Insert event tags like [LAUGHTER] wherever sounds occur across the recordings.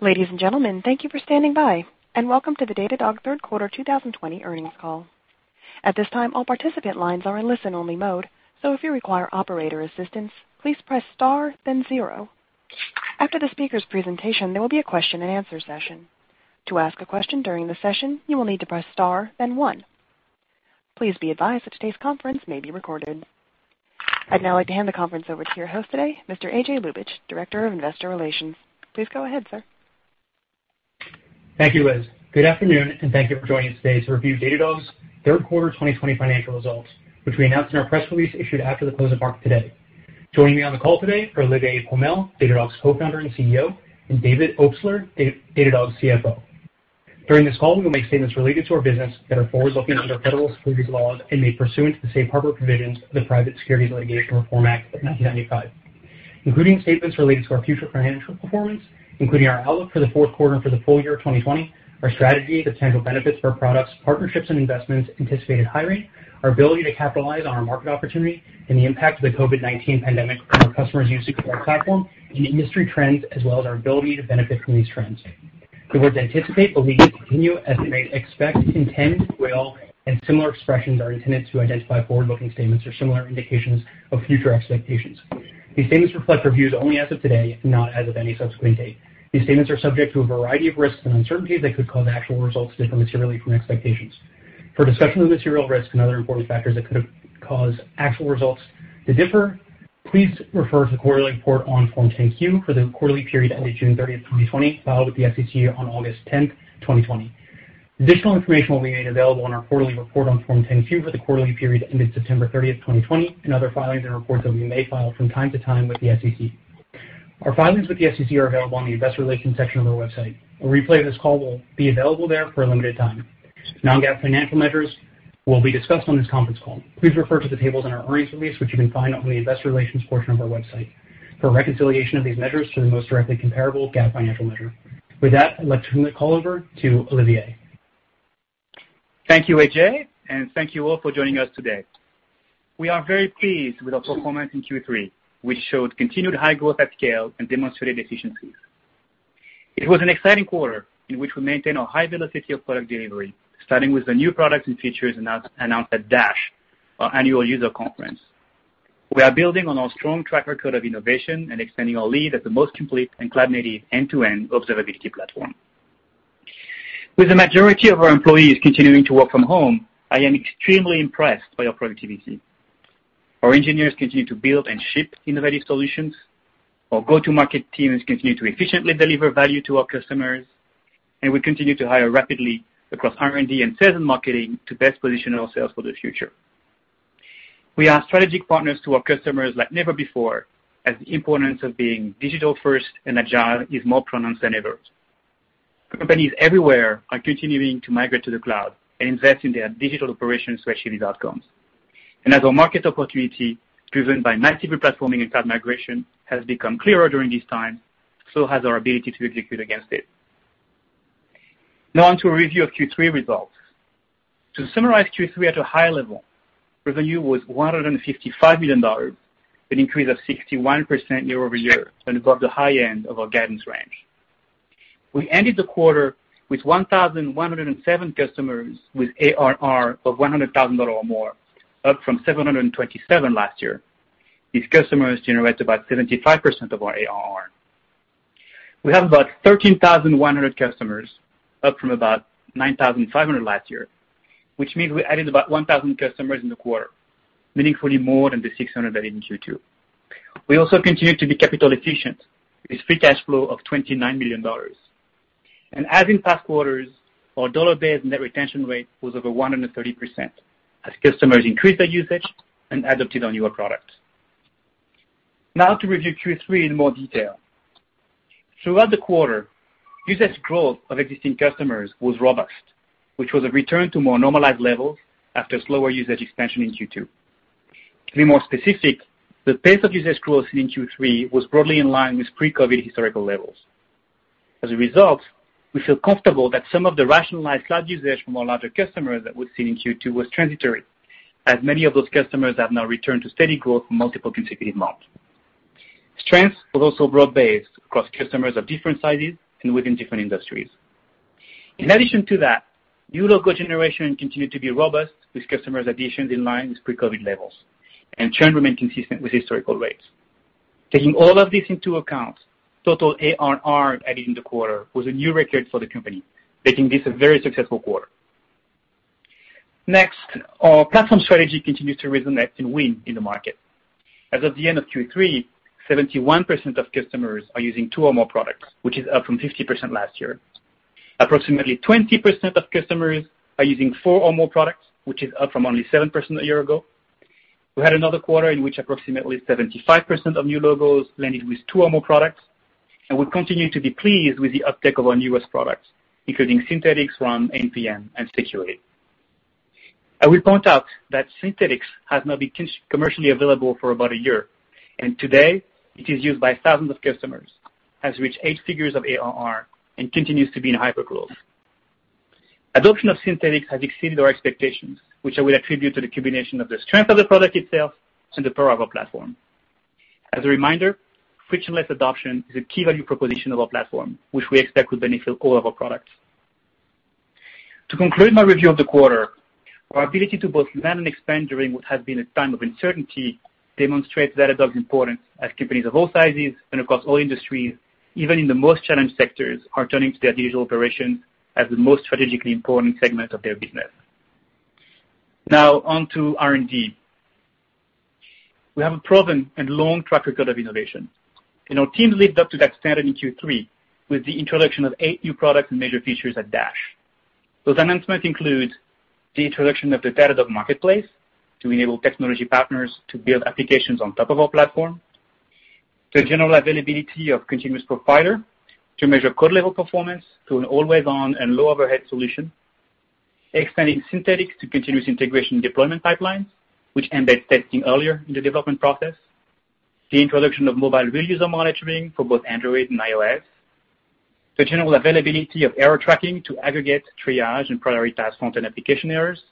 Ladies and gentlemen, thank you for standing by and welcome to the Datadog Q3 2020 Earnings Call. At this time, all participant lines are in listen only mode. If you require operator assistance, please press star zero. After the speaker's presentation, there will be a question and answer session. To ask a question during the session, you will need to press star one. Please be advised that today's conference may be recorded. I'd now like to hand the conference over to your host today, Mr. AJ Ljubich, Director of Investor Relations. Please go ahead, sir. Thank you, Liz. Good afternoon, thank you for joining us today to review Datadog's Q3 20 financial results, which we announced in our press release issued after the close of market today. Joining me on the call today are Olivier Pomel, Datadog's Co-founder and CEO, and David Obstler, Datadog's CFO. During this call, we will make statements related to our business that are forward-looking under federal securities laws and made pursuant to the safe harbor provisions of the Private Securities Litigation Reform Act of 1995, including statements related to our future financial performance, including our outlook for the Q4 for the full year of 2020, our strategy, the potential benefits of our products, partnerships and investments, anticipated hiring, our ability to capitalize on our market opportunity and the impact of the COVID-19 pandemic on our customers' use of our platform and industry trends as well as our ability to benefit from these trends. The words anticipate, believe, continue, estimate, expect, intend, will, and similar expressions are intended to identify forward-looking statements or similar indications of future expectations. These statements reflect reviews only as of today, not as of any subsequent date. These statements are subject to a variety of risks and uncertainties that could cause actual results to differ materially from expectations. For a discussion of material risks and other important factors that could have caused actual results to differ, please refer to the quarterly report on Form 10-Q for the quarterly period ended June 30, 2020, filed with the SEC on August 10, 2020. Additional information will be made available on our quarterly report on Form 10-Q for the quarterly period ended September 30, 2020, and other filings and reports that we may file from time to time with the SEC. Our filings with the SEC are available on the investor relations section of our website. A replay of this call will be available there for a limited time. Non-GAAP financial measures will be discussed on this conference call. Please refer to the tables in our earnings release, which you can find on the investor relations portion of our website for a reconciliation of these measures to the most directly comparable GAAP financial measure. With that, I'd like to turn the call over to Olivier. Thank you, AJ Ljubich, and thank you all for joining us today. We are very pleased with our performance in Q3, which showed continued high growth at scale and demonstrated efficiencies. It was an exciting quarter in which we maintained a high velocity of product delivery, starting with the new products and features announced at Dash, our annual user conference. We are building on our strong track record of innovation and extending our lead as the most complete and cloud-native end-to-end observability platform. With the majority of our employees continuing to work from home, I am extremely impressed by our productivity. Our engineers continue to build and ship innovative solutions. Our go-to-market teams continue to efficiently deliver value to our customers. We continue to hire rapidly across R&D and sales and marketing to best position ourselves for the future. We are strategic partners to our customers like never before, as the importance of being digital first and agile is more pronounced than ever. Companies everywhere are continuing to migrate to the cloud and invest in their digital operations to achieve these outcomes. As our market opportunity driven by multi-cloud platforming and cloud migration has become clearer during this time, so has our ability to execute against it. On to a review of Q3 results. To summarize Q3 at a high level, revenue was $155 million, an increase of 61% year-over-year and above the high end of our guidance range. We ended the quarter with 1,107 customers with ARR of $100,000 or more, up from 727 last year. These customers generate about 75% of our ARR. We have about 13,100 customers, up from about 9,500 last year, which means we added about 1,000 customers in the quarter, meaningfully more than the 600 added in Q2. We also continued to be capital efficient with free cash flow of $29 million. As in past quarters, our dollar-based net retention rate was over 130% as customers increased their usage and adopted our newer products. Now to review Q3 in more detail. Throughout the quarter, usage growth of existing customers was robust, which was a return to more normalized levels after slower usage expansion in Q2. To be more specific, the pace of usage growth seen in Q3 was broadly in line with pre-COVID-19 historical levels. We feel comfortable that some of the rationalized cloud usage from our larger customers that we've seen in Q2 was transitory, as many of those customers have now returned to steady growth for multiple consecutive months. Strength was also broad-based across customers of different sizes and within different industries. New logo generation continued to be robust with customers' additions in line with pre-COVID-19 levels, and churn remained consistent with historical rates. Total ARR added in the quarter was a new record for the company, making this a very successful quarter. Our platform strategy continues to resonate and win in the market. As of the end of Q3, 71% of customers are using two or more products, which is up from 50% last year. Approximately 20% of customers are using four or more products, which is up from only 7% a year ago. We had another quarter in which approximately 75% of new logos landed with two or more products, and we continue to be pleased with the uptake of our newest products, including Synthetics, RUM, NPM, and Security. I will point out that Synthetics has now been commercially available for about a year, and today it is used by thousands of customers, has reached eight figures of ARR, and continues to be in hypergrowth. Adoption of Synthetics has exceeded our expectations, which I will attribute to the combination of the strength of the product itself and the power of our platform. As a reminder, frictionless adoption is a key value proposition of our platform, which we expect will benefit all of our products. To conclude my review of the quarter, our ability to both land and expand during what has been a time of uncertainty demonstrates Datadog's importance as companies of all sizes and across all industries, even in the most challenged sectors, are turning to their digital operation as the most strategically important segment of their business. Now on to R&D. We have a proven and long track record of innovation, and our team lived up to that standard in Q3 with the introduction of eight new products and major features at Dash. Those announcements include the introduction of the Datadog Marketplace to enable technology partners to build applications on top of our platform. The general availability of Continuous Profiler to measure code-level performance to an always-on and low-overhead solution. Expanding Synthetics to continuous integration deployment pipelines, which embed testing earlier in the development process. The introduction of mobile Real User Monitoring for both Android and iOS. The general availability of error tracking to aggregate triage and prioritize front-end application errors.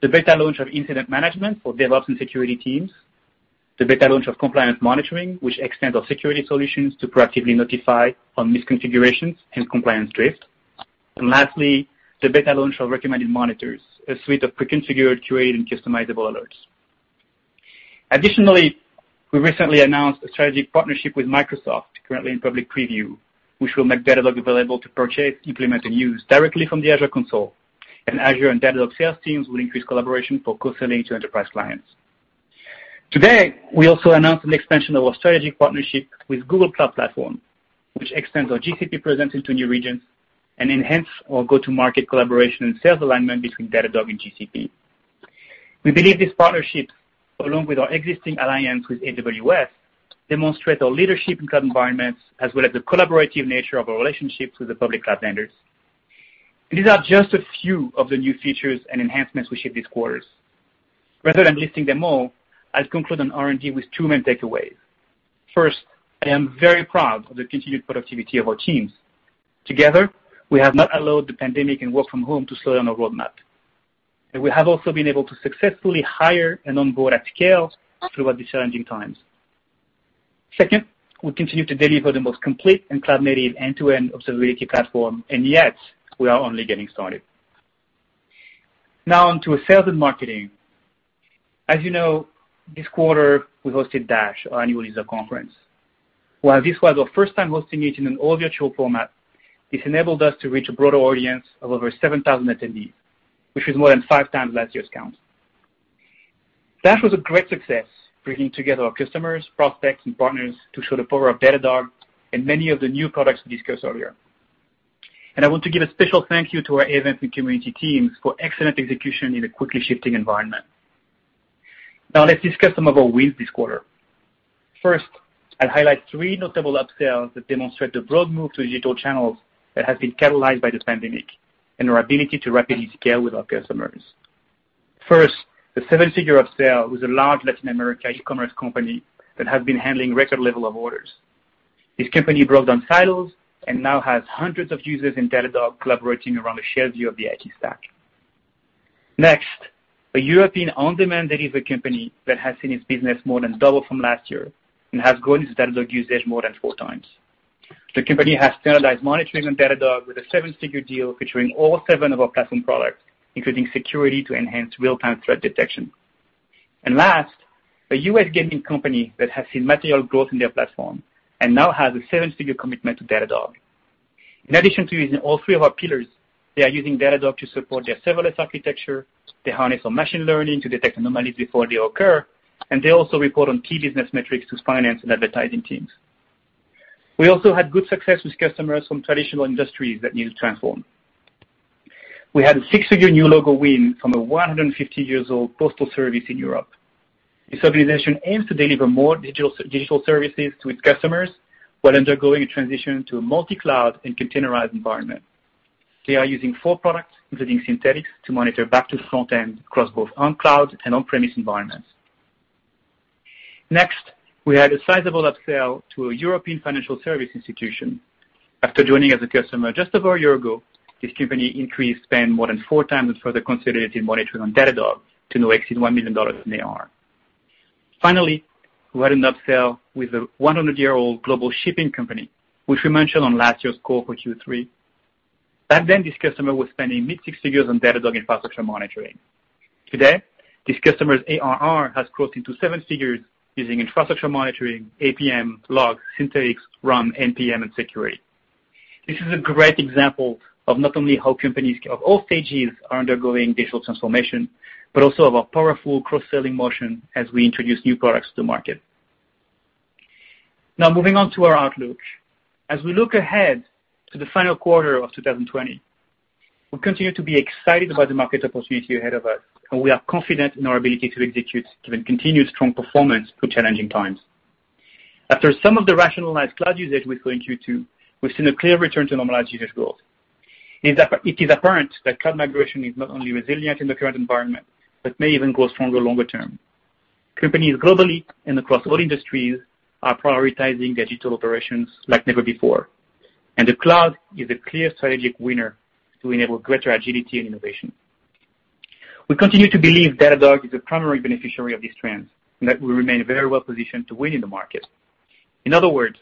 The beta launch of incident management for DevOps and security teams. The beta launch of compliance monitoring, which extends our security solutions to proactively notify on misconfigurations and compliance drift. Lastly, the beta launch of recommended monitors, a suite of pre-configured, curated, and customizable alerts. Additionally, we recently announced a strategic partnership with Microsoft, currently in public preview, which will make Datadog available to purchase, implement, and use directly from the Azure console. Azure and Datadog sales teams will increase collaboration for co-selling to enterprise clients. Today, we also announced an expansion of our strategic partnership with Google Cloud Platform, which extends our GCP presence into new regions and enhance our go-to-market collaboration and sales alignment between Datadog and GCP. We believe this partnership, along with our existing alliance with AWS, demonstrate our leadership in cloud environments as well as the collaborative nature of our relationships with the public cloud vendors. These are just a few of the new features and enhancements we shipped this quarter. Rather than listing them all, I'll conclude on R&D with two main takeaways. First, I am very proud of the continued productivity of our teams. Together, we have not allowed the pandemic and work from home to slow down our roadmap. We have also been able to successfully hire and onboard at scale throughout these challenging times. Second, we continue to deliver the most complete and cloud-native end-to-end observability platform, yet we are only getting started. Now on to sales and marketing. As you know, this quarter we hosted Dash, our annual user conference. While this was our first time hosting it in an all-virtual format, this enabled us to reach a broader audience of over 7,000 attendees, which is more than five times last year's count. Dash was a great success, bringing together our customers, prospects, and partners to show the power of Datadog and many of the new products discussed earlier. I want to give a special thank you to our event and community teams for excellent execution in a quickly shifting environment. Let's discuss some of our wins this quarter. I'll highlight three notable upsells that demonstrate the broad move to digital channels that has been catalyzed by this pandemic and our ability to rapidly scale with our customers. The 7-figure upsell was a large Latin America e-commerce company that has been handling record level of orders. This company brought down silos and now has hundreds of users in Datadog collaborating around the share view of the IT stack. Next, a European on-demand delivery company that has seen its business more than double from last year and has grown its Datadog usage more than four times. This company broke down silos and now has hundreds of users in Datadog collaborating around a shared view of the IT stack. The company has standardized monitoring on Datadog with a $7-figure deal featuring all seven of our platform products, including Security to enhance real-time threat detection. A U.S. gaming company that has seen material growth in their platform and now has a $7-figure commitment to Datadog. In addition to using all three of our pillars, they are using Datadog to support their serverless architecture, they harness our machine learning to detect anomalies before they occur, and they also report on key business metrics to finance and advertising teams. We also had good success with customers from traditional industries that need to transform. We had a six-figure new logo win from a 150-year-old postal service in Europe. This organization aims to deliver more digital services to its customers while undergoing a transition to a multi-cloud and containerized environment. They are using four products, including Synthetics, to monitor back to front-end across both on-cloud and on-premise environments. Next, we had a sizable upsell to a European financial service institution. After joining as a customer just over a year ago, this company increased spend more than four times with further consolidating monitoring on Datadog to now exceed $1 million in ARR. Finally, we had an upsell with a 100-year-old global shipping company, which we mentioned on last year's call for Q3. Back then, this customer was spending mid-six figures on Datadog infrastructure monitoring. Today, this customer's ARR has grown to seven figures using infrastructure monitoring, APM, logs, Synthetics, RUM, NPM, and Security. This is a great example of not only how companies of all stages are undergoing digital transformation, but also of a powerful cross-selling motion as we introduce new products to market. Now moving on to our outlook. As we look ahead to the final quarter of 2020, we continue to be excited about the market opportunity ahead of us, and we are confident in our ability to execute given continued strong performance through challenging times. After some of the rationalized cloud usage we saw in Q2, we've seen a clear return to normalized usage growth. It is apparent that cloud migration is not only resilient in the current environment, but may even grow stronger longer term. Companies globally and across all industries are prioritizing digital operations like never before, and the cloud is a clear strategic winner to enable greater agility and innovation. We continue to believe Datadog is a primary beneficiary of these trends and that we remain very well positioned to win in the market. In other words,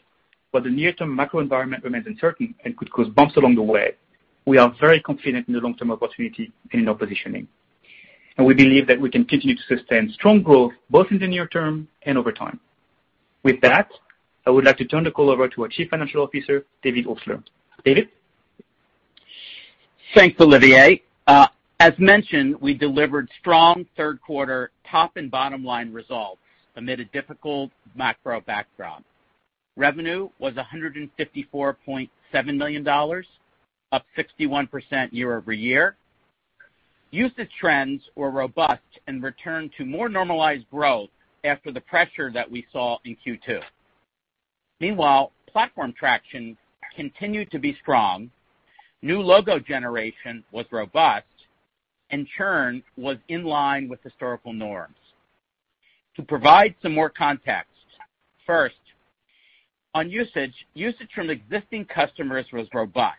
while the near-term macro environment remains uncertain and could cause bumps along the way, we are very confident in the long-term opportunity and in our positioning. We believe that we can continue to sustain strong growth both in the near term and over time. With that, I would like to turn the call over to our Chief Financial Officer, David Obstler. David? Thanks, Olivier. As mentioned, we delivered strong Q3 top and bottom line results amid a difficult macro backdrop. Revenue was $154.7 million, up 61% year-over-year. Usage trends were robust and returned to more normalized growth after the pressure that we saw in Q2. Meanwhile, platform traction continued to be strong, new logo generation was robust, and churn was in line with historical norms. To provide some more context, first, on usage from existing customers was robust,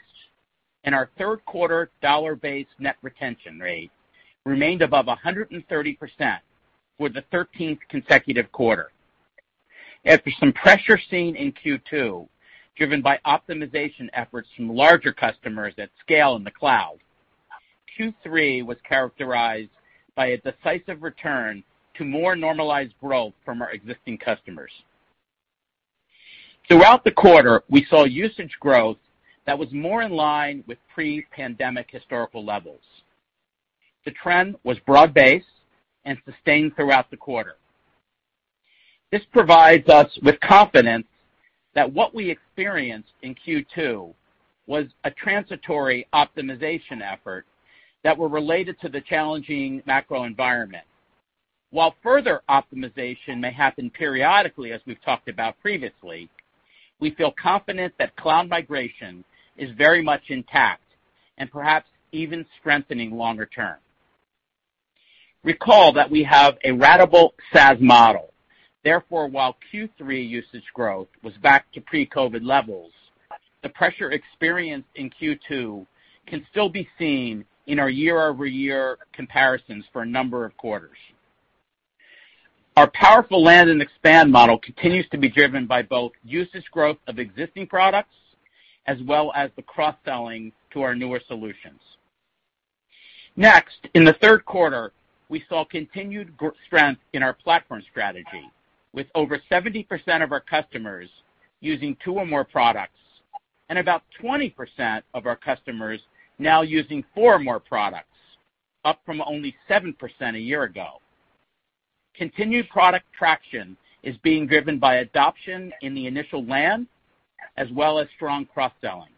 and our third-quarter dollar-based net retention rate remained above 130% for the 13th consecutive quarter. After some pressure seen in Q2, driven by optimization efforts from larger customers at scale in the cloud, Q3 was characterized by a decisive return to more normalized growth from our existing customers. Throughout the quarter, we saw usage growth that was more in line with pre-pandemic historical levels. The trend was broad-based and sustained throughout the quarter. This provides us with confidence that what we experienced in Q2 was a transitory optimization effort that were related to the challenging macro environment. While further optimization may happen periodically, as we've talked about previously, we feel confident that cloud migration is very much intact and perhaps even strengthening longer term. Recall that we have a ratable SaaS model. Therefore, while Q3 usage growth was back to pre-COVID levels, the pressure experienced in Q2 can still be seen in our year-over-year comparisons for a number of quarters. Our powerful land and expand model continues to be driven by both usage growth of existing products as well as the cross-selling to our newer solutions. Next, in the Q3, we saw continued strength in our platform strategy, with over 70% of our customers using two or more products, and about 20% of our customers now using four or more products, up from only 7% a year ago. Continued product traction is being driven by adoption in the initial land as well as strong cross-selling.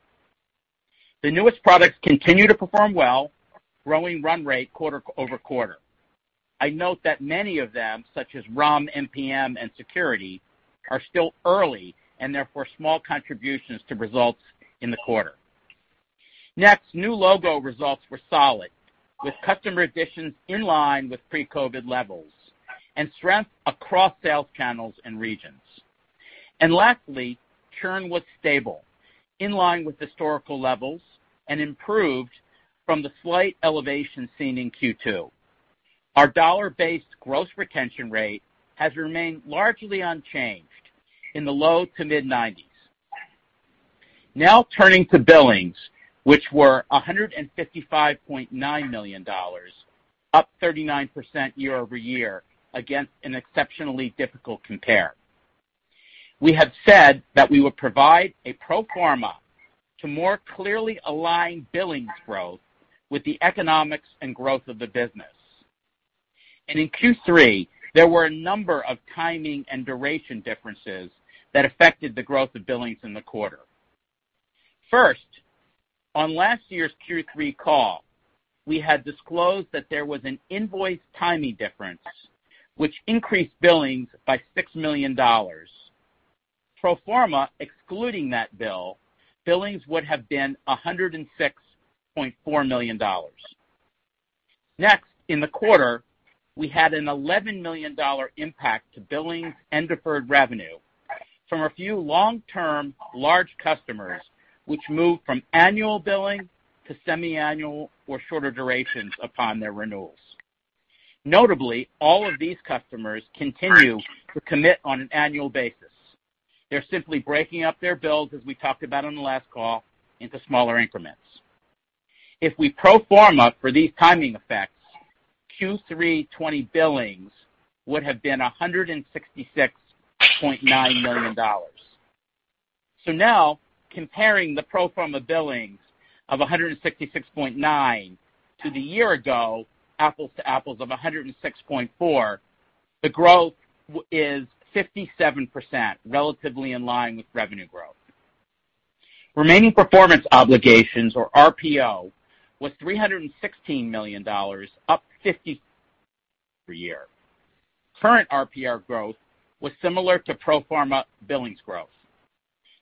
The newest products continue to perform well, growing run rate quarter-over-quarter. I note that many of them, such as RUM, NPM, and security, are still early and therefore small contributions to results in the quarter. Next, new logo results were solid, with customer additions in line with pre-COVID-19 levels and strength across sales channels and regions. Lastly, churn was stable, in line with historical levels and improved from the slight elevation seen in Q2. Our dollar-based gross retention rate has remained largely unchanged in the low to mid-nineties. Turning to billings, which were $155.9 million, up 39% year-over-year against an exceptionally difficult compare. In Q3, there were a number of timing and duration differences that affected the growth of billings in the quarter. On last year's Q3 call, we had disclosed that there was an invoice timing difference, which increased billings by $6 million. Pro forma, excluding that bill, billings would have been $106.4 million. Next, in the quarter, we had an $11 million impact to billings and deferred revenue from a few long-term large customers which moved from annual billing to semi-annual or shorter durations upon their renewals. Notably, all of these customers continue to commit on an annual basis. They're simply breaking up their bills, as we talked about on the last call, into smaller increments. If we pro forma for these timing effects, Q3 2020 billings would have been $166.9 million. Now comparing the pro forma billings of $166.9 million to the year ago, apples to apples, of $106.4 million, the growth is 57%, relatively in line with revenue growth. Remaining performance obligations, or RPO, was $316 million, up 50% per year. Current RPO growth was similar to pro forma billings growth.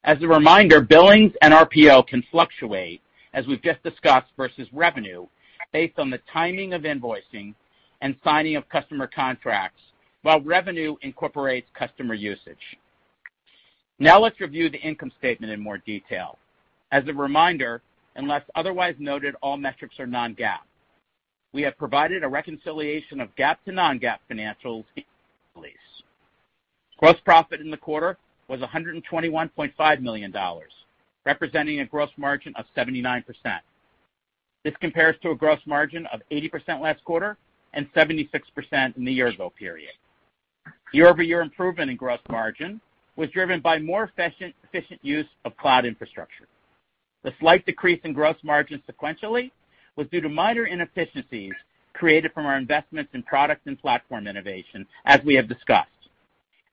As a reminder, billings and RPO can fluctuate, as we've just discussed versus revenue, based on the timing of invoicing and signing of customer contracts, while revenue incorporates customer usage. Now let's review the income statement in more detail. As a reminder, unless otherwise noted, all metrics are non-GAAP. We have provided a reconciliation of GAAP to non-GAAP financials release. Gross profit in the quarter was $121.5 million, representing a gross margin of 79%. This compares to a gross margin of 80% last quarter and 76% in the year-ago period. Year-over-year improvement in gross margin was driven by more efficient use of cloud infrastructure. The slight decrease in gross margin sequentially was due to minor inefficiencies created from our investments in product and platform innovation, as we have discussed.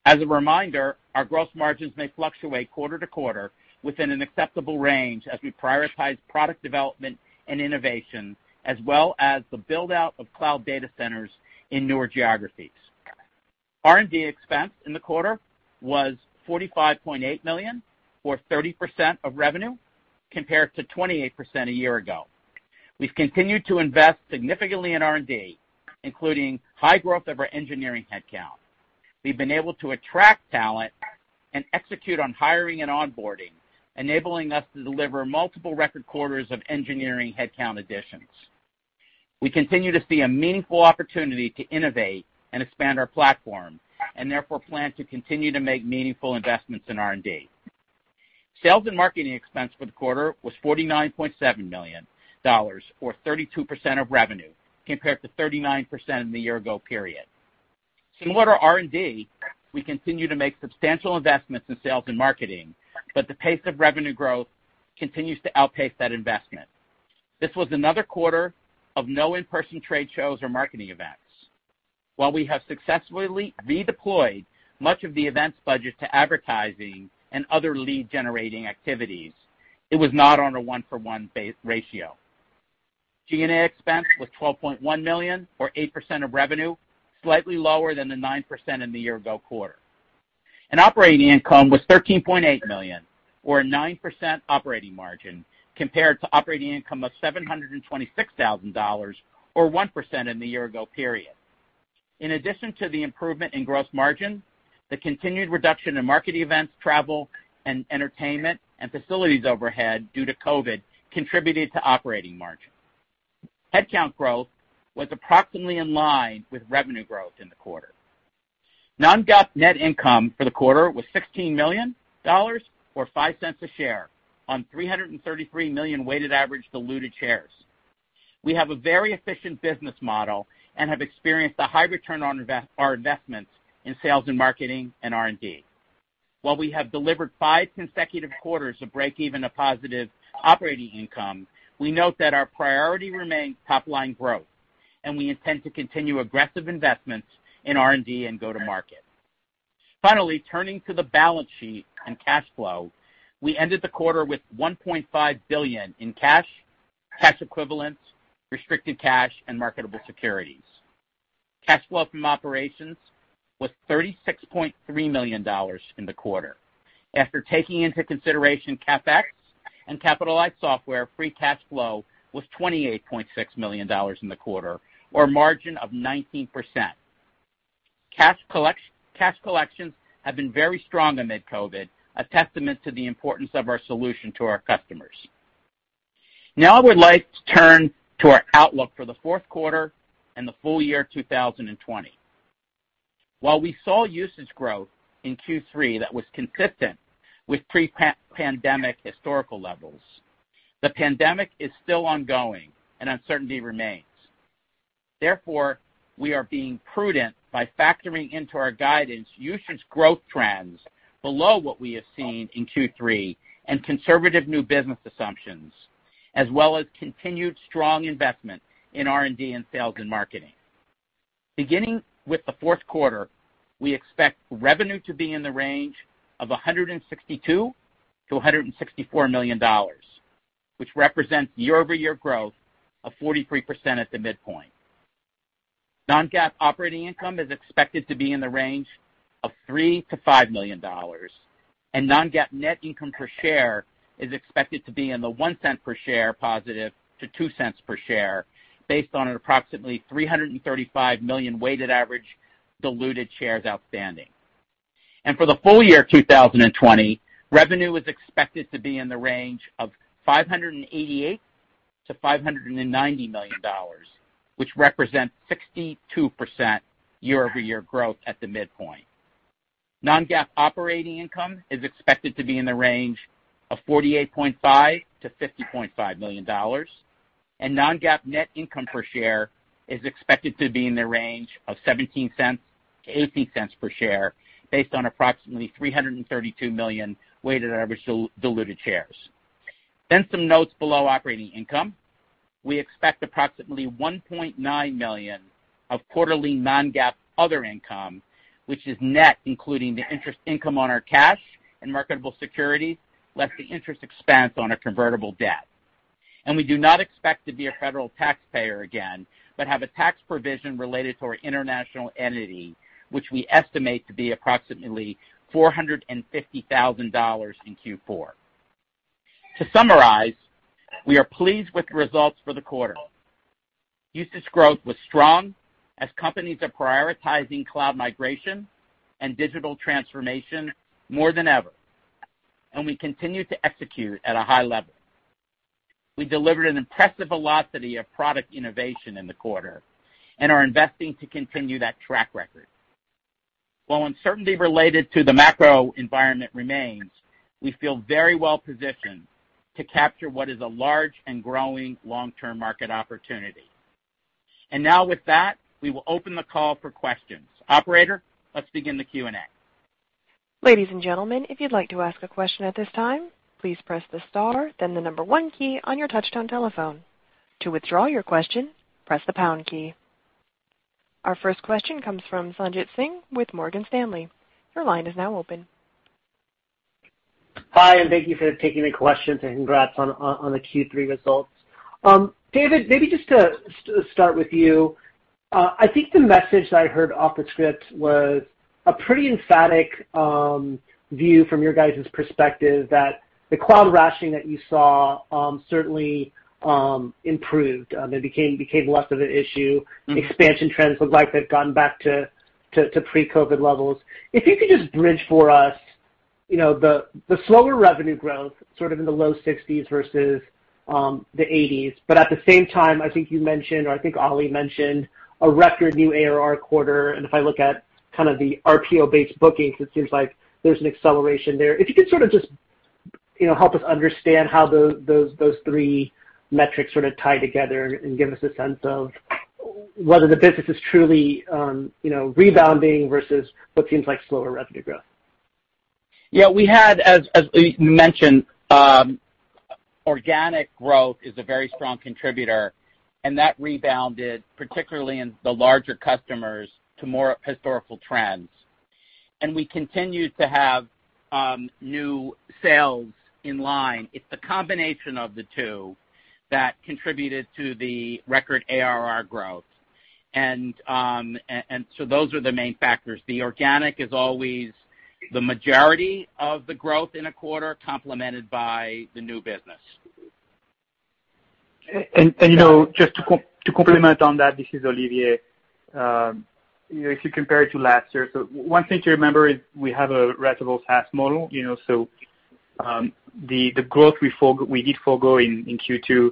As a reminder, our gross margins may fluctuate quarter to quarter within an acceptable range as we prioritize product development and innovation, as well as the build-out of cloud data centers in newer geographies. R&D expense in the quarter was $45.8 million, or 30% of revenue, compared to 28% a year-ago. We've continued to invest significantly in R&D, including high growth of our engineering headcount. We've been able to attract talent and execute on hiring and onboarding, enabling us to deliver multiple record quarters of engineering headcount additions. We continue to see a meaningful opportunity to innovate and expand our platform, therefore plan to continue to make meaningful investments in R&D. Sales and marketing expense for the quarter was $49.7 million, or 32% of revenue, compared to 39% in the year-ago period. Similar to R&D, we continue to make substantial investments in sales and marketing, but the pace of revenue growth continues to outpace that investment. This was another quarter of no in-person trade shows or marketing events. While we have successfully redeployed much of the events budget to advertising and other lead-generating activities, it was not on a one-for-one ratio. G&A expense was $12.1 million or 8% of revenue, slightly lower than the 9% in the year-ago quarter. Operating income was $13.8 million or a 9% operating margin compared to operating income of $726,000 or 1% in the year-ago period. In addition to the improvement in gross margin, the continued reduction in market events, travel and entertainment, and facilities overhead due to COVID contributed to operating margin. Headcount growth was approximately in line with revenue growth in the quarter. Non-GAAP net income for the quarter was $16 million or $0.05 a share on 333 million weighted average diluted shares. We have a very efficient business model and have experienced a high return on our investments in sales and marketing and R&D. While we have delivered 5 consecutive quarters of break-even to positive operating income, we note that our priority remains top-line growth, and we intend to continue aggressive investments in R&D and go-to-market. Finally, turning to the balance sheet and cash flow. We ended the quarter with $1.5 billion in cash equivalents, restricted cash, and marketable securities. Cash flow from operations was $36.3 million in the quarter. After taking into consideration CapEx and capitalized software, free cash flow was $28.6 million in the quarter or a margin of 19%. Cash collections have been very strong amid COVID, a testament to the importance of our solution to our customers. I would like to turn to our outlook for the Q4 and the full year 2020. While we saw usage growth in Q3 that was consistent with pre-pandemic historical levels, the pandemic is still ongoing and uncertainty remains. We are being prudent by factoring into our guidance usage growth trends below what we have seen in Q3 and conservative new business assumptions, as well as continued strong investment in R&D and sales and marketing. Beginning with the Q4, we expect revenue to be in the range of $162 -164 million, which represents year-over-year growth of 43% at the midpoint. Non-GAAP operating income is expected to be in the range of $3 -5 million, Non-GAAP net income per share is expected to be in the $0.01 per share positive to $0.02 per share based on an approximately 335 million weighted average diluted shares outstanding. For the full year 2020, revenue is expected to be in the range of $588 -590 million, which represents 62% year-over-year growth at the midpoint. Non-GAAP operating income is expected to be in the range of $48.5 -50.5 million. Non-GAAP net income per share is expected to be in the range of $0.17-$0.18 per share based on approximately 332 million weighted average diluted shares. Some notes below operating income. We expect approximately $1.9 million of quarterly non-GAAP other income, which is net including the interest income on our cash and marketable securities, less the interest expense on a convertible debt. We do not expect to be a federal taxpayer again, but have a tax provision related to our international entity, which we estimate to be approximately $450,000 in Q4. To summarize, we are pleased with the results for the quarter. Usage growth was strong as companies are prioritizing cloud migration and digital transformation more than ever, and we continue to execute at a high level. We delivered an impressive velocity of product innovation in the quarter and are investing to continue that track record. While uncertainty related to the macro environment remains, we feel very well positioned to capture what is a large and growing long-term market opportunity. Now, with that, we will open the call for questions. Operator, let's begin the Q&A. Ladies and gentlemen, if you'd like to ask a question at this time, please press the star then the number one key on your touchtone telephone. To withdraw your question, press the pound key. Our first question comes from Sanjit Singh with Morgan Stanley. Your line is now open. Hi, thank you for taking the questions, and congrats on the Q3 results. David, maybe just to start with you. I think the message that I heard off the script was a pretty emphatic view from your guys' perspective that the cloud rationing that you saw certainly improved. It became less of an issue. Expansion trends look like they've gone back to pre-COVID levels. If you could just bridge for us, you know, the slower revenue growth sort of in the low 60s versus the 80s. At the same time, I think you mentioned, or I think Oli mentioned a record new ARR quarter. If I look at kind of the RPO-based bookings, it seems like there's an acceleration there. If you could sort of just, you know, help us understand how those three metrics sort of tie together and give us a sense of whether the business is truly, you know, rebounding versus what seems like slower revenue growth. Yeah, we had, as you mentioned, organic growth is a very strong contributor, and that rebounded, particularly in the larger customers, to more historical trends. We continued to have new sales in line. It's the combination of the two that contributed to the record ARR growth. Those are the main factors. The organic is always the majority of the growth in a quarter, complemented by the new business. You know, just to complement on that, this is Olivier. You know, if you compare it to last year, one thing to remember is we have a ratable SaaS model, you know, the growth we did forego in Q2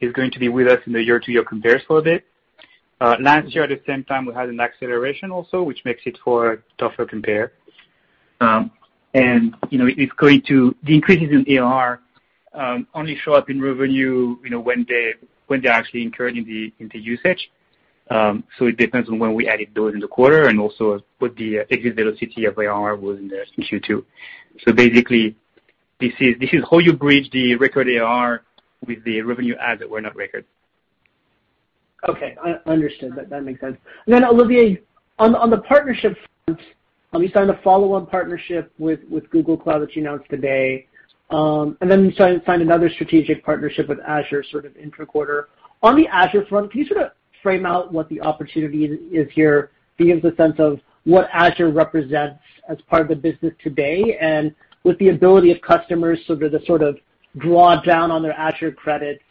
is going to be with us in the year-to-year compares for a bit. Last year, at the same time, we had an acceleration also, which makes it for a tougher compare. You know, the increases in ARR only show up in revenue, you know, when they, when they're actually incurred in the usage. It depends on when we added those in the quarter and also what the exit velocity of ARR was in Q2. Basically, this is how you bridge the record ARR with the revenue adds that were not record. Okay. I understood. That makes sense. Olivier, on the partnership front, you signed a follow-on partnership with Google Cloud that you announced today, and then you signed another strategic partnership with Azure sort of intra-quarter. On the Azure front, can you sort of frame out what the opportunity is here? Give us a sense of what Azure represents as part of the business today and with the ability of customers to draw down on their Azure credits,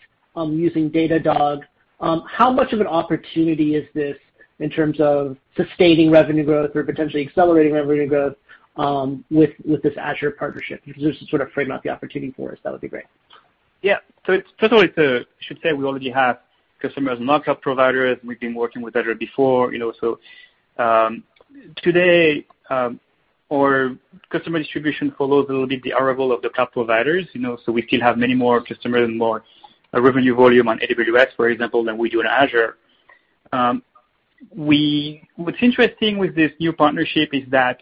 using Datadog. How much of an opportunity is this in terms of sustaining revenue growth or potentially accelerating revenue growth, with this Azure partnership? If you could just sort of frame out the opportunity for us, that would be great. Yeah. I should say we already have customers in multiple providers. We've been working with Azure before, you know. Today, our customer distribution follows a little bit the arrival of the top providers, you know. We still have many more customers and more revenue volume on AWS, for example, than we do on Azure. What's interesting with this new partnership is that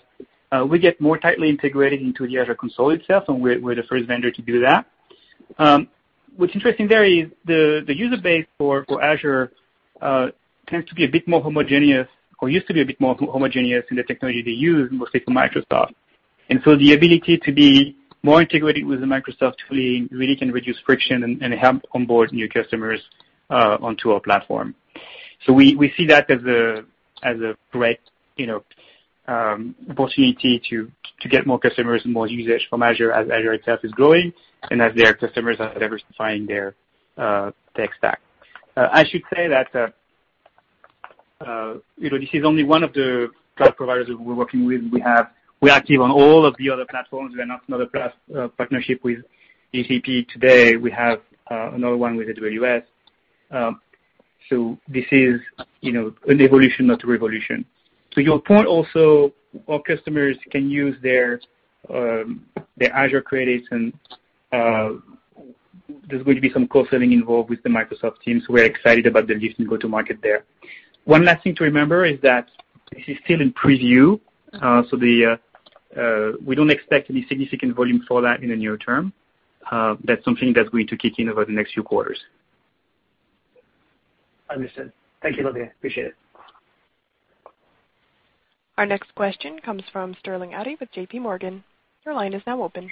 we get more tightly integrated into the Azure console itself, and we're the first vendor to do that. What's interesting there is the user base for Azure tends to be a bit more homogeneous or used to be a bit more homogeneous in the technology they use, mostly from Microsoft. The ability to be more integrated with the Microsoft really can reduce friction and help onboard new customers onto our platform. We see that as a great, you know, possibility to get more customers and more usage from Azure as Azure itself is growing and as their customers are diversifying their tech stack. I should say that, you know, this is only one of the cloud providers that we're working with. We are active on all of the other platforms. We announced another class partnership with GCP today. We have another one with AWS. This is, you know, an evolution, not revolution. To your point also, our customers can use their Azure credits, and there's going to be some co-selling involved with the Microsoft team, so we're excited about the lift and go-to-market there. One last thing to remember is that this is still in preview. We don't expect any significant volume for that in the near term. That's something that's going to kick in over the next few quarters. Understood. Thank you, Olivier. Appreciate it. Our next question comes from Sterling Auty with JPMorgan. Your line is now open.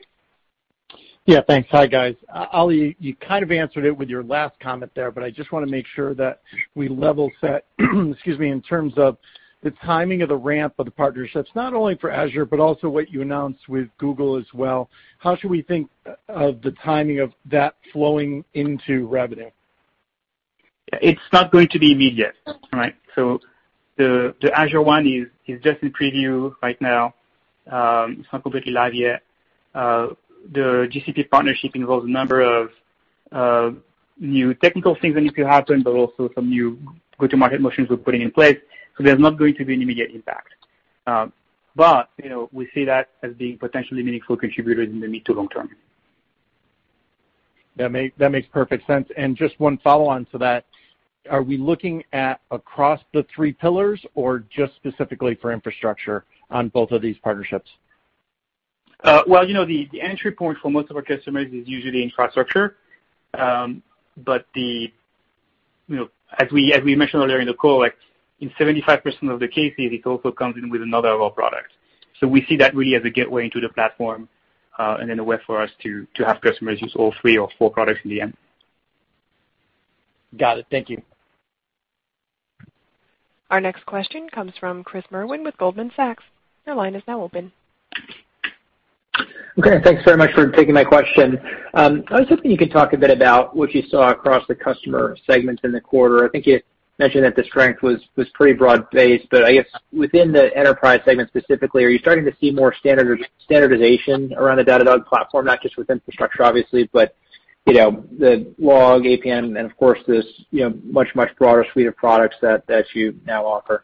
Yeah, thanks. Hi, guys. Oli, you kind of answered it with your last comment there, but I just wanna make sure that we level set, excuse me, in terms of the timing of the ramp of the partnerships, not only for Azure, but also what you announced with Google as well. How should we think of the timing of that flowing into revenue? It's not going to be immediate, all right? The Azure one is just in preview right now. It's not completely live yet. The GCP partnership involves a number of new technical things that need to happen, but also some new go-to-market motions we're putting in place. There's not going to be an immediate impact. You know, we see that as being potentially meaningful contributor in the mid to long term. That makes perfect sense. Just one follow-on to that. Are we looking at across the three pillars or just specifically for infrastructure on both of these partnerships? Well, you know, the entry point for most of our customers is usually infrastructure. You know, as we, as we mentioned earlier in the call, like in 75% of the cases, it also comes in with another of our products. We see that really as a gateway into the platform, and then a way for us to have customers use all three or four products in the end. Got it. Thank you. Our next question comes from Chris Merwin with Goldman Sachs. Okay. Thanks very much for taking my question. I was hoping you could talk a bit about what you saw across the customer segments in the quarter. I think you mentioned that the strength was pretty broad-based, but I guess within the enterprise segment specifically, are you starting to see more standardization around the Datadog platform? Not just with infrastructure obviously, but, you know, the log, APM, and of course this, you know, much broader suite of products that you now offer.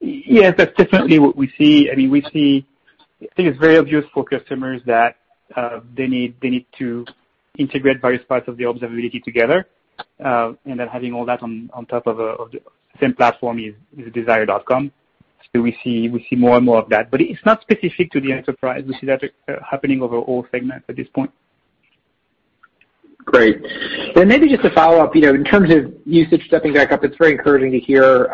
Yes, that's definitely what we see. I mean, we see I think it's very obvious for customers that they need to integrate various parts of the observability together, then having all that on top of the same platform is a desired outcome. We see more and more of that. It's not specific to the enterprise. We see that happening over all segments at this point. Great. Maybe just a follow-up. You know, in terms of usage stepping back up, it's very encouraging to hear.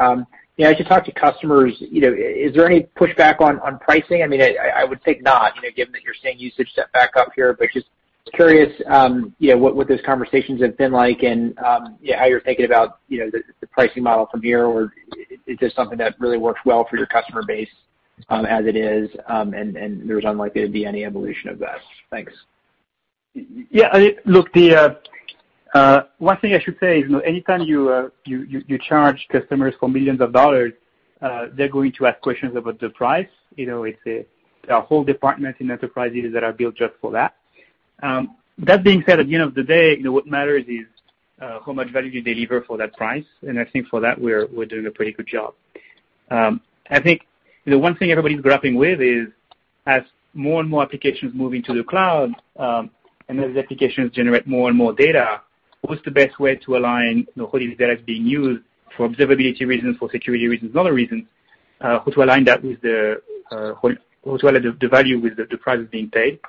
You know, as you talk to customers, you know, is there any pushback on pricing? I mean, I would think not, you know, given that you're seeing usage step back up here. Just curious, you know, what those conversations have been like and, yeah, how you're thinking about, you know, the pricing model from here, or is this something that really works well for your customer base, as it is, and there's unlikely to be any evolution of that? Thanks. Yeah. I mean, look, the one thing I should say is, you know, anytime you charge customers for millions of dollars, they're going to ask questions about the price. You know, it's a whole department in enterprises that are built just for that. That being said, at the end of the day, you know, what matters is how much value you deliver for that price, and I think for that we're doing a pretty good job. I think, you know, one thing everybody's grappling with is as more and more applications move into the cloud, and those applications generate more and more data, what's the best way to align, you know, how this data is being used for observability reasons, for security reasons, and other reasons, how to align that with the value with the price being paid.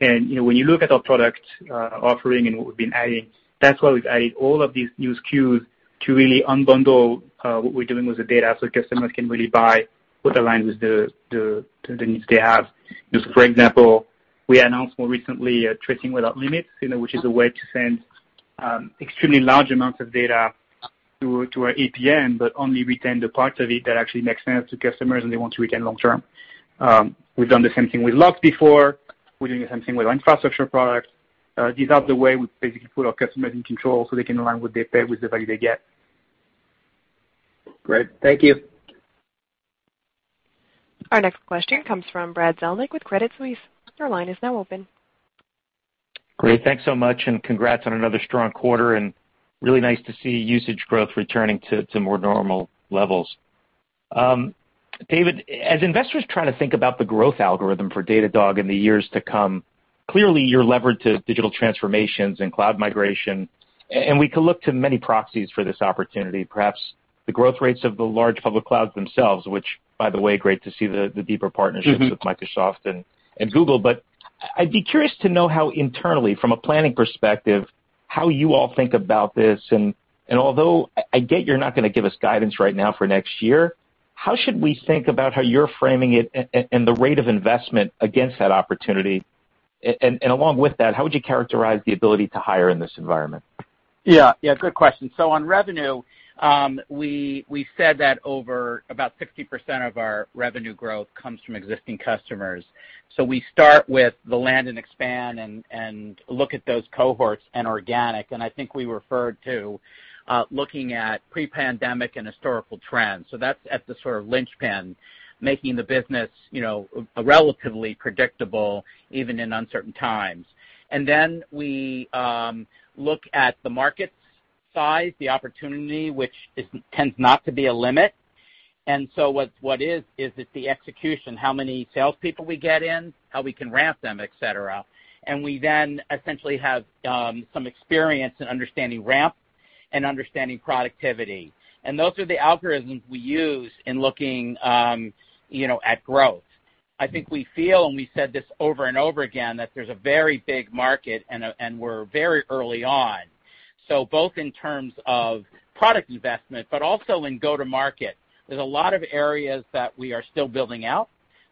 When you look at our product, offering and what we've been adding, that's why we've added all of these new SKUs to really unbundle, what we're doing with the data so customers can really buy what aligns with the needs they have. Just for example, we announced more recently, Tracing without Limits, you know, which is a way to send extremely large amounts of data to our APM, but only retain the parts of it that actually make sense to customers and they want to retain long term. We've done the same thing with logs before. We're doing the same thing with our infrastructure products. These are the way we basically put our customers in control, so they can align what they pay with the value they get. Great. Thank you. Our next question comes from Brad Zelnick with Credit Suisse. Your line is now open. Great. Thanks so much, and congrats on another strong quarter, and really nice to see usage growth returning to more normal levels. David, as investors try to think about the growth algorithm for Datadog in the years to come, clearly you're levered to digital transformations and cloud migration, and we can look to many proxies for this opportunity. Perhaps the growth rates of the large public clouds themselves, which by the way, great to see the deeper partnerships- with Microsoft and Google. I'd be curious to know how internally, from a planning perspective, how you all think about this. Although I get you're not gonna give us guidance right now for next year, how should we think about how you're framing it and the rate of investment against that opportunity? Along with that, how would you characterize the ability to hire in this environment? Yeah, good question. On revenue, we said that over about 60% of our revenue growth comes from existing customers. We start with the land and expand and look at those cohorts and organic, and I think we referred to looking at pre-pandemic and historical trends. That's at the sort of linchpin, making the business, you know, relatively predictable even in uncertain times. We look at the market size, the opportunity, which tends not to be a limit. What is it the execution, how many salespeople we get in, how we can ramp them, et cetera. We then essentially have some experience in understanding ramp and understanding productivity, and those are the algorithms we use in looking, you know, at growth. I think we feel, and we said this over and over again, that there's a very big market and we're very early on. Both in terms of product investment, but also in go-to market, there's a lot of areas that we are still building out.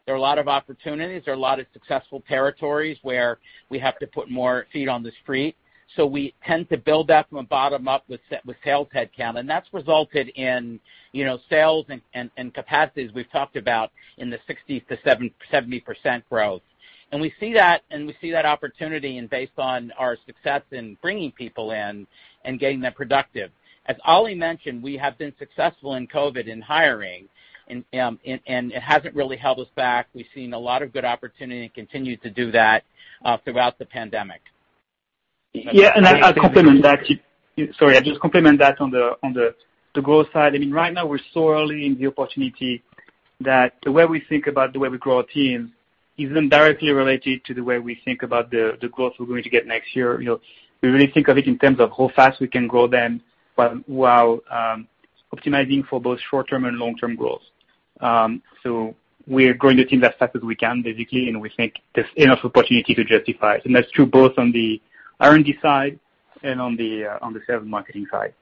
There are a lot of opportunities. There are a lot of successful territories where we have to put more feet on the street. We tend to build that from a bottom up with sales headcount, and that's resulted in, you know, sales and capacities we've talked about in the 60%-70% growth. We see that, and we see that opportunity and based on our success in bringing people in and getting them productive. As Oli mentioned, we have been successful in COVID in hiring, and it hasn't really held us back. We've seen a lot of good opportunity and continue to do that throughout the pandemic. Yeah, I'll compliment that. Sorry, I'll just compliment that on the growth side. I mean, right now we're surely in the opportunity that the way we think about the way we grow our team is indirectly related to the way we think about the growth we're going to get next year. You know, we really think of it in terms of how fast we can grow them while optimizing for both short-term and long-term growth. We're going to invest as fast as we can, basically, and we think there's enough opportunity to justify it. That's true both on the R&D side and on the sales marketing side.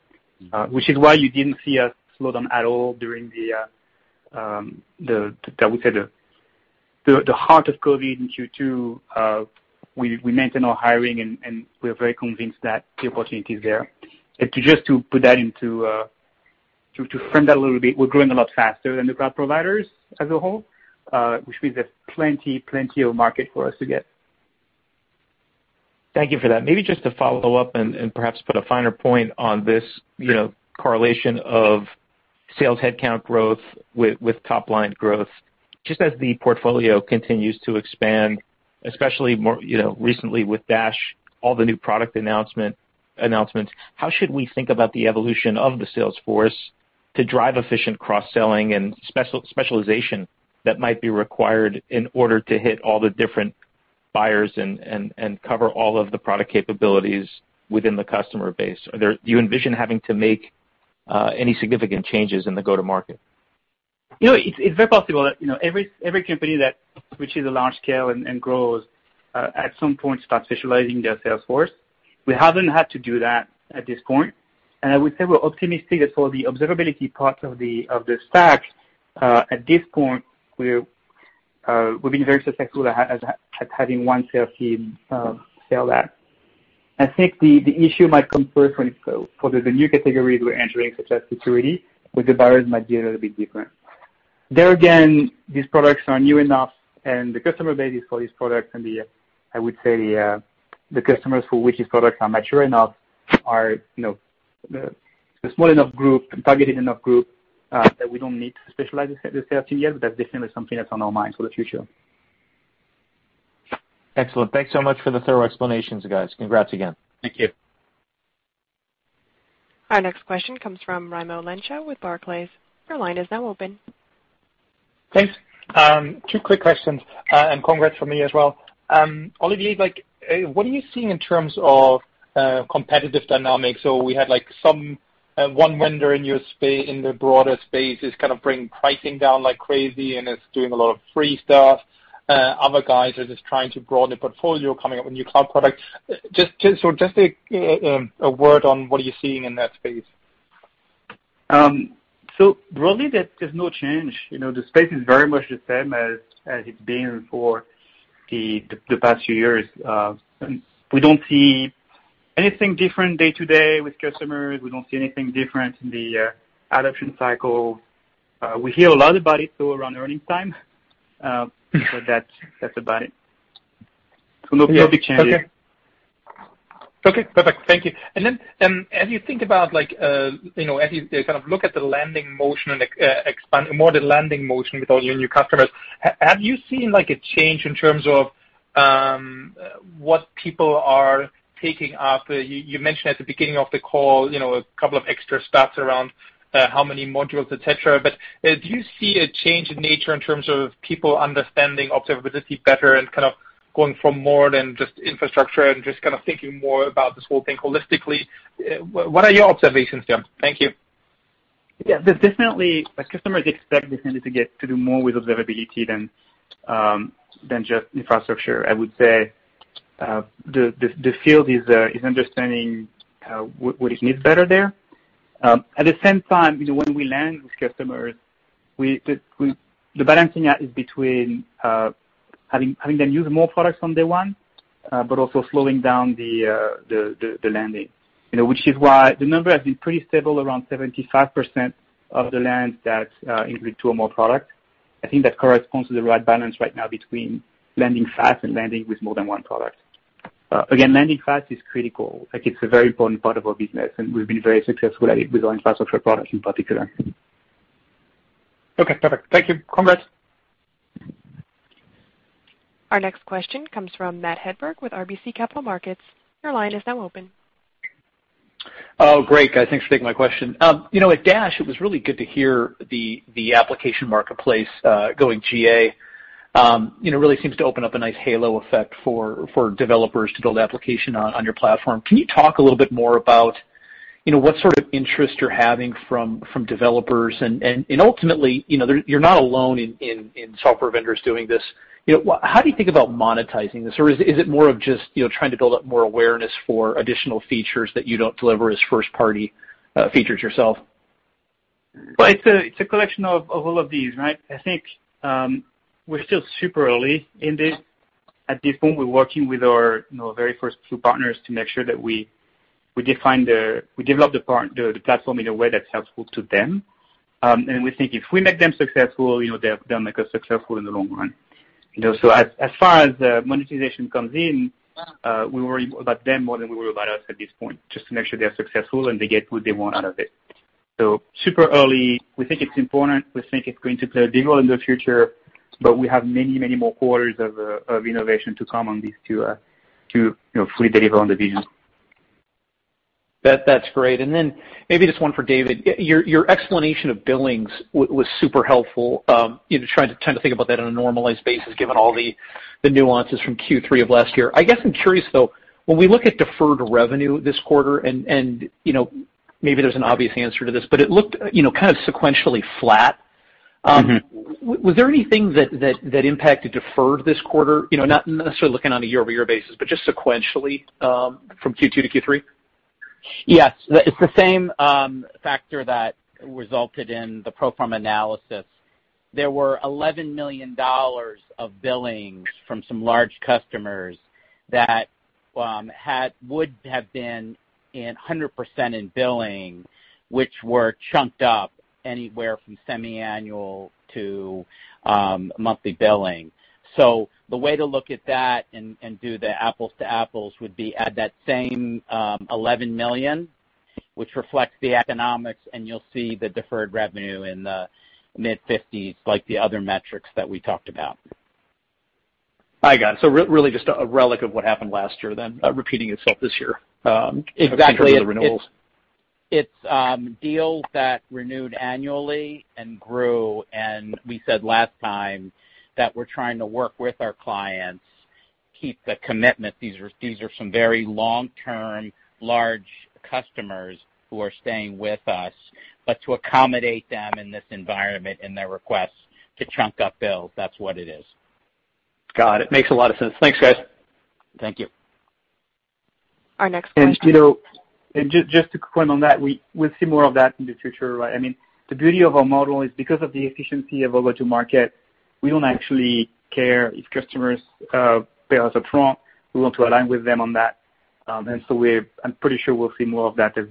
Which is why you didn't see us slow down at all during the heart of COVID in Q2. We maintained our hiring and we're very convinced that the opportunity is there. Just to frame that a little bit, we're growing a lot faster than the cloud providers as a whole, which means there's plenty of market for us to get. Thank you for that. Maybe just to follow up and perhaps put a finer point on this, you know, correlation of sales headcount growth with top line growth. Just as the portfolio continues to expand, especially more, you know, recently with Dash, all the new product announcements. How should we think about the evolution of the sales force to drive efficient cross-selling and specialization that might be required in order to hit all the different buyers and cover all of the product capabilities within the customer base? Do you envision having to make any significant changes in the go-to market? You know, it's very possible that, you know, every company that reaches a large scale and grows, at some point starts visualizing their sales force. We haven't had to do that at this point. I would say we're optimistic that for the observability parts of the stack, at this point, we're we've been very successful at having one sales team sell that. I think the issue might come first when it's for the new categories we're entering, such as security, where the buyers might be a little bit different. There again, these products are new enough and the customer base is for these products and the, I would say the customers for which these products are mature enough are, you know, a small enough group, targeted enough group, that we don't need to specialize the sales team yet, but that's definitely something that's on our minds for the future. Excellent. Thanks so much for the thorough explanations, guys. Congrats again. Thank you. Our next question comes from Raimo Lenschow with Barclays. Your line is now open. Thanks. Two quick questions, and congrats from me as well. Olivier, like, what are you seeing in terms of competitive dynamics? We had, like, some one vendor in the broader space is kind of bringing pricing down like crazy, and it's doing a lot of free stuff. Other guys are just trying to broaden the portfolio, coming up with new cloud products. Just a word on what are you seeing in that space. Broadly, there's no change. You know, the space is very much the same as it's been for the past few years. We don't see anything different day-to-day with customers. We don't see anything different in the adoption cycle. We hear a lot about it, though, around earnings time. That's about it. No big changes. Okay. Perfect. Thank you. Then, as you think about, as you kind of look at the landing motion and expand more the landing motion with all your new customers, have you seen a change in terms of what people are taking up? You mentioned at the beginning of the call, a couple of extra stats around how many modules, et cetera. Do you see a change in nature in terms of people understanding observability better and kind of going for more than just infrastructure and just kind of thinking more about this whole thing holistically? What are your observations there? Thank you. Yeah. There's definitely, like, customers expect to do more with observability than just infrastructure. I would say the field is understanding what it needs better there. At the same time, you know, when we land with customers, the balancing act is between having them use more products from day 1, but also slowing down the landing. You know, which is why the number has been pretty stable around 75% of the land that include two or more product. I think that corresponds to the right balance right now between landing fast and landing with more than 1 product. Again, landing fast is critical. Like, it's a very important part of our business, and we've been very successful at it with our infrastructure products in particular. Okay. Perfect. Thank you. Congrats. Our next question comes from Matt Hedberg with RBC Capital Markets. Your line is now open. Great, guys. Thanks for taking my question. You know, at Dash, it was really good to hear the Datadog Marketplace going GA. You know, really seems to open up a nice halo effect for developers to build application on your platform. Can you talk a little bit more about, you know, what sort of interest you're having from developers and ultimately, you know, you're not alone in software vendors doing this? You know, how do you think about monetizing this, or is it more of just, you know, trying to build up more awareness for additional features that you don't deliver as first party features yourself? Well, it's a collection of all of these, right? I think, we're still super early in this. At this point, we're working with our, you know, very first few partners to make sure that we develop the platform in a way that's helpful to them. We think if we make them successful, you know, they'll make us successful in the long run. You know, as far as monetization comes in, we worry about them more than we worry about us at this point, just to make sure they're successful and they get what they want out of it. Super early. We think it's important. We think it's going to play a big role in the future, but we have many, many more quarters of innovation to come on these two, you know, fully deliver on the business. That's great. Then maybe just one for David. Your explanation of billings was super helpful, you know, trying to think about that on a normalized basis, given all the nuances from Q3 of last year. I guess I'm curious though, when we look at deferred revenue this quarter and, you know, maybe there's an obvious answer to this, but it looked, you know, kind of sequentially flat. Was there anything that impacted deferred this quarter? You know, not necessarily looking on a year-over-year basis, but just sequentially, from Q2 to Q3? Yes. It's the same factor that resulted in the pro forma analysis. There were $11 million of billings from some large customers that would have been in 100% in billing, which were chunked up anywhere from semi-annual to monthly billing. The way to look at that and do the apples to apples would be at that same $11 million, which reflects the economics, and you'll see the deferred revenue in the mid-50s like the other metrics that we talked about. I got it. Really just a relic of what happened last year then, repeating itself this year. Exactly. In terms of the renewals. It's deals that renewed annually and grew. We said last time that we're trying to work with our clients, keep the commitment. These are some very long-term, large customers who are staying with us. To accommodate them in this environment and their requests to chunk up bills, that's what it is. Got it. Makes a lot of sense. Thanks, guys. Thank you. Our next question. You know, just to comment on that, we will see more of that in the future, right? I mean, the beauty of our model is because of the efficiency of go-to-market, we don't actually care if customers pay us upfront. We want to align with them on that. I'm pretty sure we'll see more of that as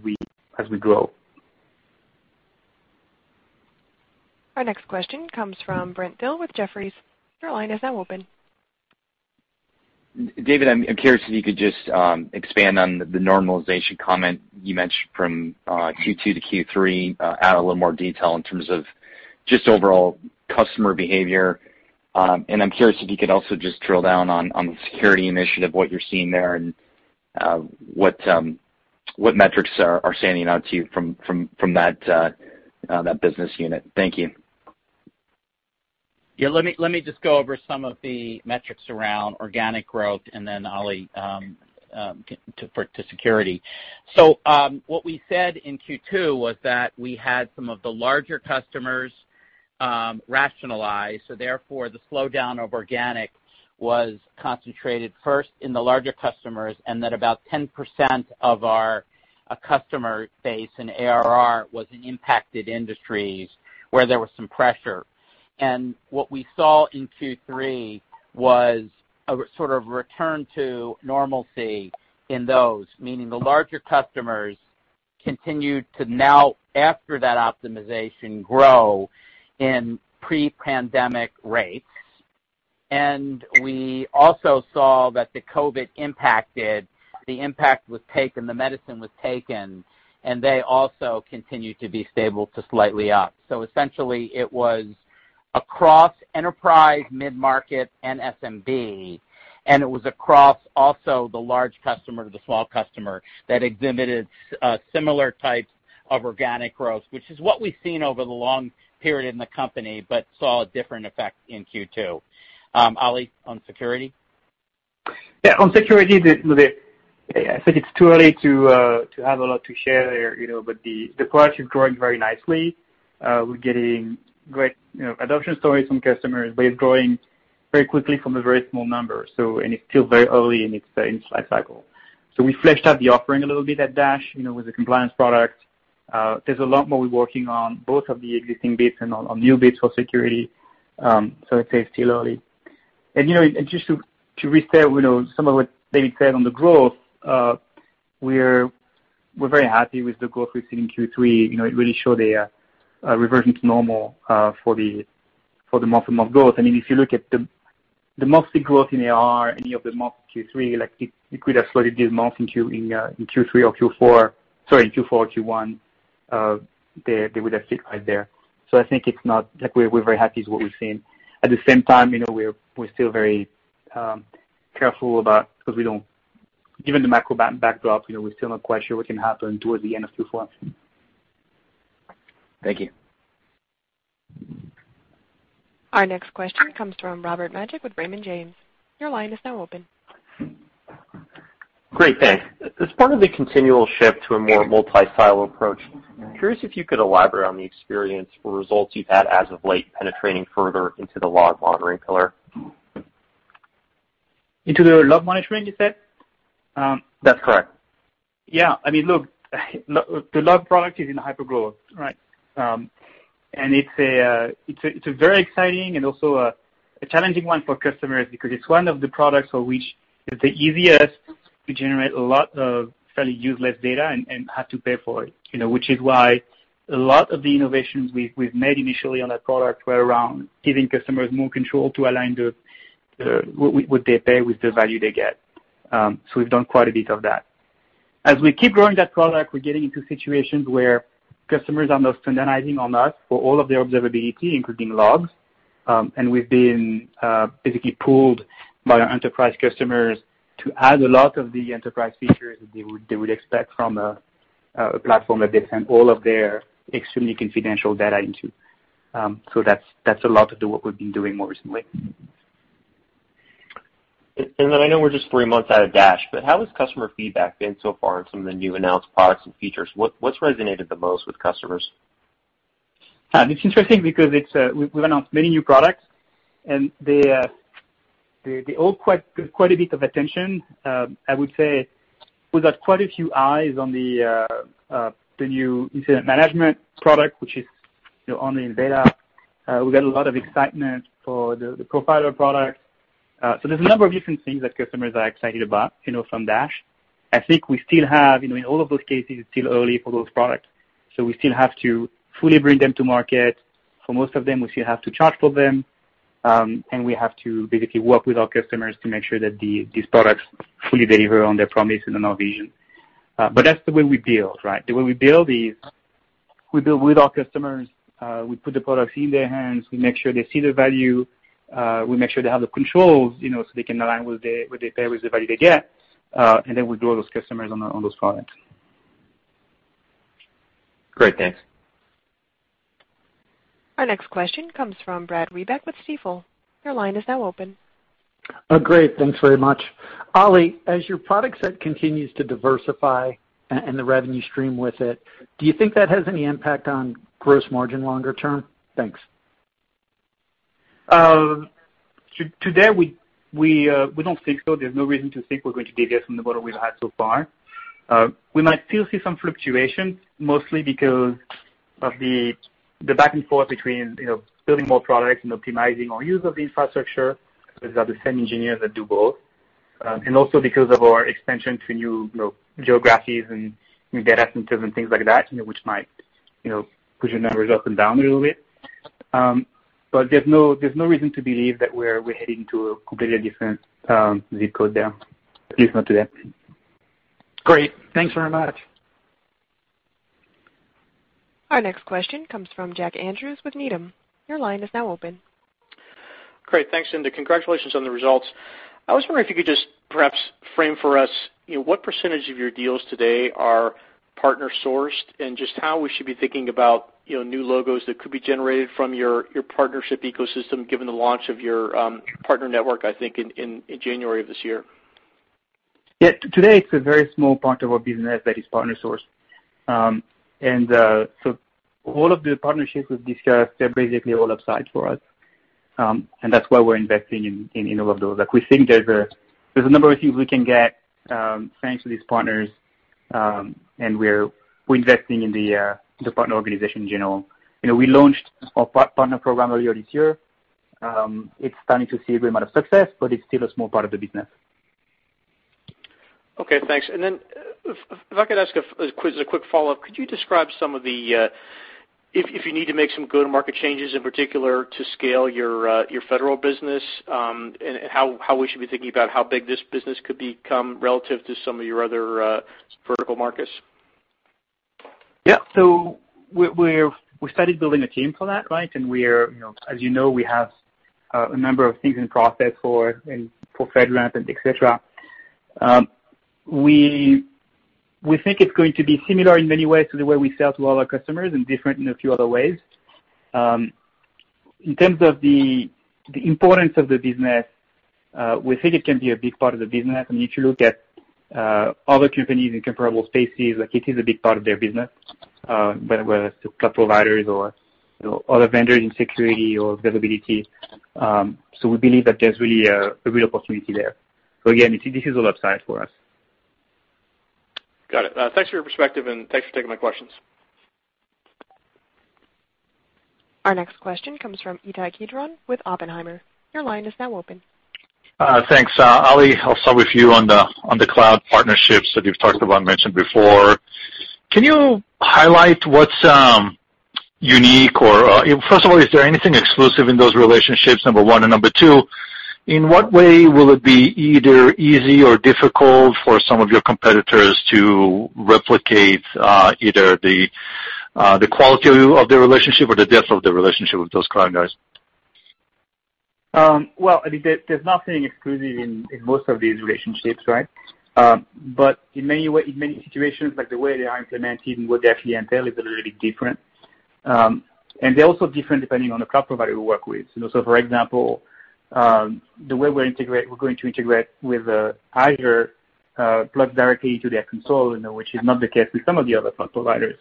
we grow. Our next question comes from Brent Thill with Jefferies. Your line is now open. David, I'm curious if you could just expand on the normalization comment you mentioned from Q2 to Q3, add a little more detail in terms of just overall customer behavior. I'm curious if you could also just drill down on the security initiative, what you're seeing there and what metrics are standing out to you from that business unit. Thank you. Yeah, let me just go over some of the metrics around organic growth and then Oli, to security. What we said in Q2 was that we had some of the larger customers rationalize. Therefore, the slowdown of organic was concentrated first in the larger customers, and that about 10% of our customer base in ARR was in impacted industries where there was some pressure. What we saw in Q3 was a sort of return to normalcy in those, meaning the larger customers continued to now, after that optimization, grow in pre-pandemic rates. We also saw that the COVID-impacted, the impact was taken, the medicine was taken, and they also continued to be stable to slightly up. Essentially, it was across enterprise, mid-market, and SMB, and it was across also the large customer to the small customer that exhibited similar types of organic growth, which is what we've seen over the long period in the company, but saw a different effect in Q2. Olivier Pomel, on security? On security, I think it's too early to have a lot to share there, you know, but the product is growing very nicely. We're getting great, you know, adoption stories from customers, but it's growing very quickly from a very small number. And it's still very early in its life cycle. We fleshed out the offering a little bit at Dash, you know, with the compliance product. There's a lot more we're working on, both of the existing bits and on new bits for security. I'd say it's still early. You know, just to re-say, you know, some of what David said on the growth, we're very happy with the growth we've seen in Q3. You know, it really showed a reversion to normal for the month-to-month growth. I mean, if you look at the monthly growth in ARR and year of the month Q3, like it could have slowed it this month in Q3 or Q4, sorry, in Q4 or Q1, they would have fit right there. I think it's not like we're very happy with what we've seen. At the same time, you know, we're still very careful about because given the macro backdrop, you know, we're still not quite sure what can happen towards the end of Q4. Thank you. Our next question comes from Robert Majek with Raymond James. Your line is now open. Great, thanks. As part of the continual shift to a more multi-silo approach, curious if you could elaborate on the experience or results you've had as of late penetrating further into the log monitoring pillar? Into the log management, you said? That's correct. Yeah. I mean, look, the log product is in hypergrowth, right? It's a very exciting and also a challenging one for customers because it's one of the products for which it's the easiest to generate a lot of fairly useless data and have to pay for it, you know, which is why a lot of the innovations we've made initially on that product were around giving customers more control to align the what they pay with the value they get. We've done quite a bit of that. As we keep growing that product, we're getting into situations where customers are now standardizing on us for all of their observability, including logs. We've been basically pulled by our enterprise customers to add a lot of the enterprise features that they would expect from a platform that they send all of their extremely confidential data into. That's a lot of the work we've been doing more recently. I know we're just three months out of Dash, but how has customer feedback been so far on some of the new announced products and features? What's resonated the most with customers? It's interesting because we've announced many new products and they all quite a bit of attention. I would say we got quite a few eyes on the new incident management product, which is, you know, only in beta. We got a lot of excitement for the Continuous Profiler product. There's a number of different things that customers are excited about, you know, from Dash. I think we still have, you know, in all of those cases, it's still early for those products. We still have to fully bring them to market. For most of them, we still have to charge for them. We have to basically work with our customers to make sure that these products fully deliver on their promise and on our vision. That's the way we build, right? The way we build is we build with our customers, we put the products in their hands, we make sure they see the value, we make sure they have the controls, you know, so they can align what they, what they pay with the value they get. Then we grow those customers on those products. Great. Thanks. Our next question comes from Brad Reback with Stifel. Your line is now open. Oh, great. Thanks very much. Olivier Pomel, as your product set continues to diversify and the revenue stream with it, do you think that has any impact on gross margin longer term? Thanks. To date, we don't think so. There's no reason to think we're going to deviate from the model we've had so far. We might still see some fluctuations, mostly because of the back and forth between, you know, building more products and optimizing our use of the infrastructure because we have the same engineers that do both. Also because of our expansion to new, you know, geographies and new data centers and things like that, you know, which might, you know, push the numbers up and down a little bit. There's no, there's no reason to believe that we're heading to a completely different, ZIP Code there. At least not today. Great. Thanks very much. Our next question comes from Jack Andrews with Needham. Your line is now open. Great. Thanks. Congratulations on the results. I was wondering if you could just perhaps frame for us, you know, what % of your deals today are partner sourced, and just how we should be thinking about, you know, new logos that could be generated from your partnership ecosystem, given the launch of your Partner Network, I think in January of this year. Today, it's a very small part of our business that is partner sourced. All of the partnerships we've discussed are basically all upside for us. That's why we're investing in all of those. Like, we think there's a number of things we can get thanks to these partners, and we're investing in the partner organization in general. You know, we launched our partner program earlier this year. It's starting to see a great amount of success, it's still a small part of the business. Okay, thanks. If I could ask a quick follow-up, could you describe some of the if you need to make some go-to-market changes, in particular to scale your federal business, and how we should be thinking about how big this business could become relative to some of your other vertical markets? Yeah. We started building a team for that, right? We're, you know, as you know, we have a number of things in process for and for FedRAMP and et cetera. We think it's going to be similar in many ways to the way we sell to all our customers and different in a few other ways. In terms of the importance of the business, we think it can be a big part of the business. If you look at other companies in comparable spaces, like it is a big part of their business, whether it's cloud providers or, you know, other vendors in security or observability. We believe that there's really a real opportunity there. Again, this is all upside for us. Got it. Thanks for your perspective and thanks for taking my questions. Our next question comes from Ittai Kidron with Oppenheimer. Your line is now open. Thanks. Olivier Pomel, I'll start with you on the cloud partnerships that you've talked about and mentioned before. Can you highlight what's unique or, first of all, is there anything exclusive in those relationships, number one? Number two, in what way will it be either easy or difficult for some of your competitors to replicate, either the quality of the relationship or the depth of the relationship with those cloud guys? Well, I mean, there's nothing exclusive in most of these relationships, right? In many situations, like the way they are implemented and what they actually entail is a little bit different. They're also different depending on the cloud provider we work with. You know, so for example, the way we're going to integrate with Azure plugs directly to their console, you know, which is not the case with some of the other cloud providers.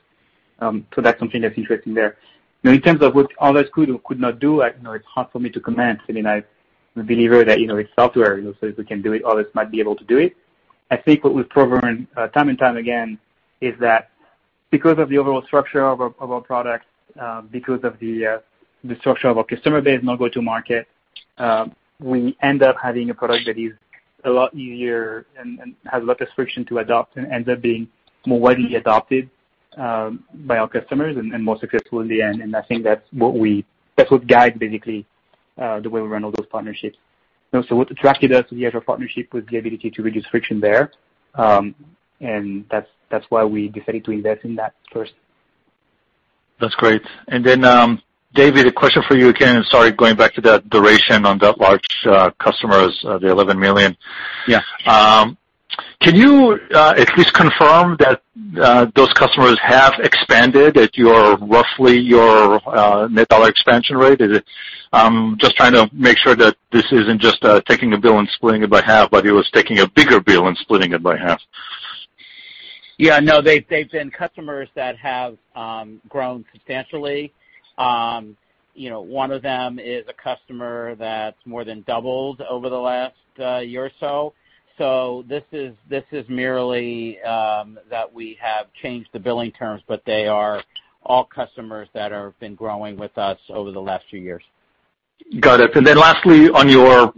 That's something that's interesting there. You know, in terms of what others could or could not do, I You know, it's hard for me to comment. I mean, I'm a believer that, you know, it's software, you know. If we can do it, others might be able to do it. I think what we've proven, time and time again is that because of the overall structure of our, of our products, because of the structure of our customer base and our go-to market, we end up having a product that is a lot easier and has a lot less friction to adopt and ends up being more widely adopted by our customers and more successful in the end. I think that's what guides basically the way we run all those partnerships. You know, what attracted us to the Azure partnership was the ability to reduce friction there. That's, that's why we decided to invest in that first. That's great. David, a question for you again. Sorry, going back to that duration on that large customers, the 11 million. Yeah. Can you at least confirm that those customers have expanded at your, roughly your, net dollar expansion rate? Is it just trying to make sure that this isn't just taking a bill and splitting it by half, but it was taking a bigger bill and splitting it by half. Yeah, no, they've been customers that have grown substantially. You know, one of them is a customer that's more than doubled over the last year or so. This is merely that we have changed the billing terms, but they are all customers that have been growing with us over the last few years. Got it. Lastly, on your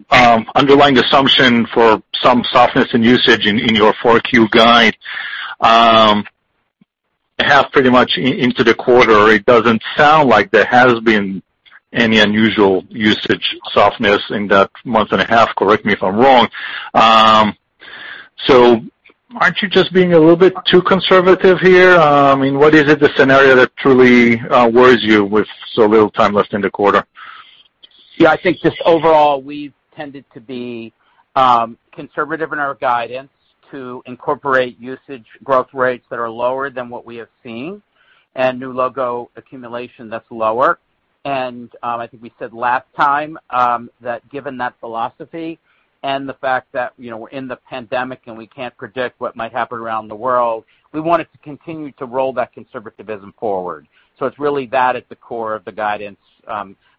underlying assumption for some softness in usage in your Q4 guide, half pretty much into the quarter, it doesn't sound like there has been any unusual usage softness in that month and a half. Correct me if I'm wrong. Aren't you just being a little bit too conservative here? I mean, what is it, the scenario that truly worries you with so little time left in the quarter? Yeah, I think just overall, we've tended to be conservative in our guidance to incorporate usage growth rates that are lower than what we have seen and new logo accumulation that's lower. I think we said last time that given that philosophy and the fact that, you know, we're in the pandemic and we can't predict what might happen around the world, we wanted to continue to roll that conservativism forward. It's really that at the core of the guidance,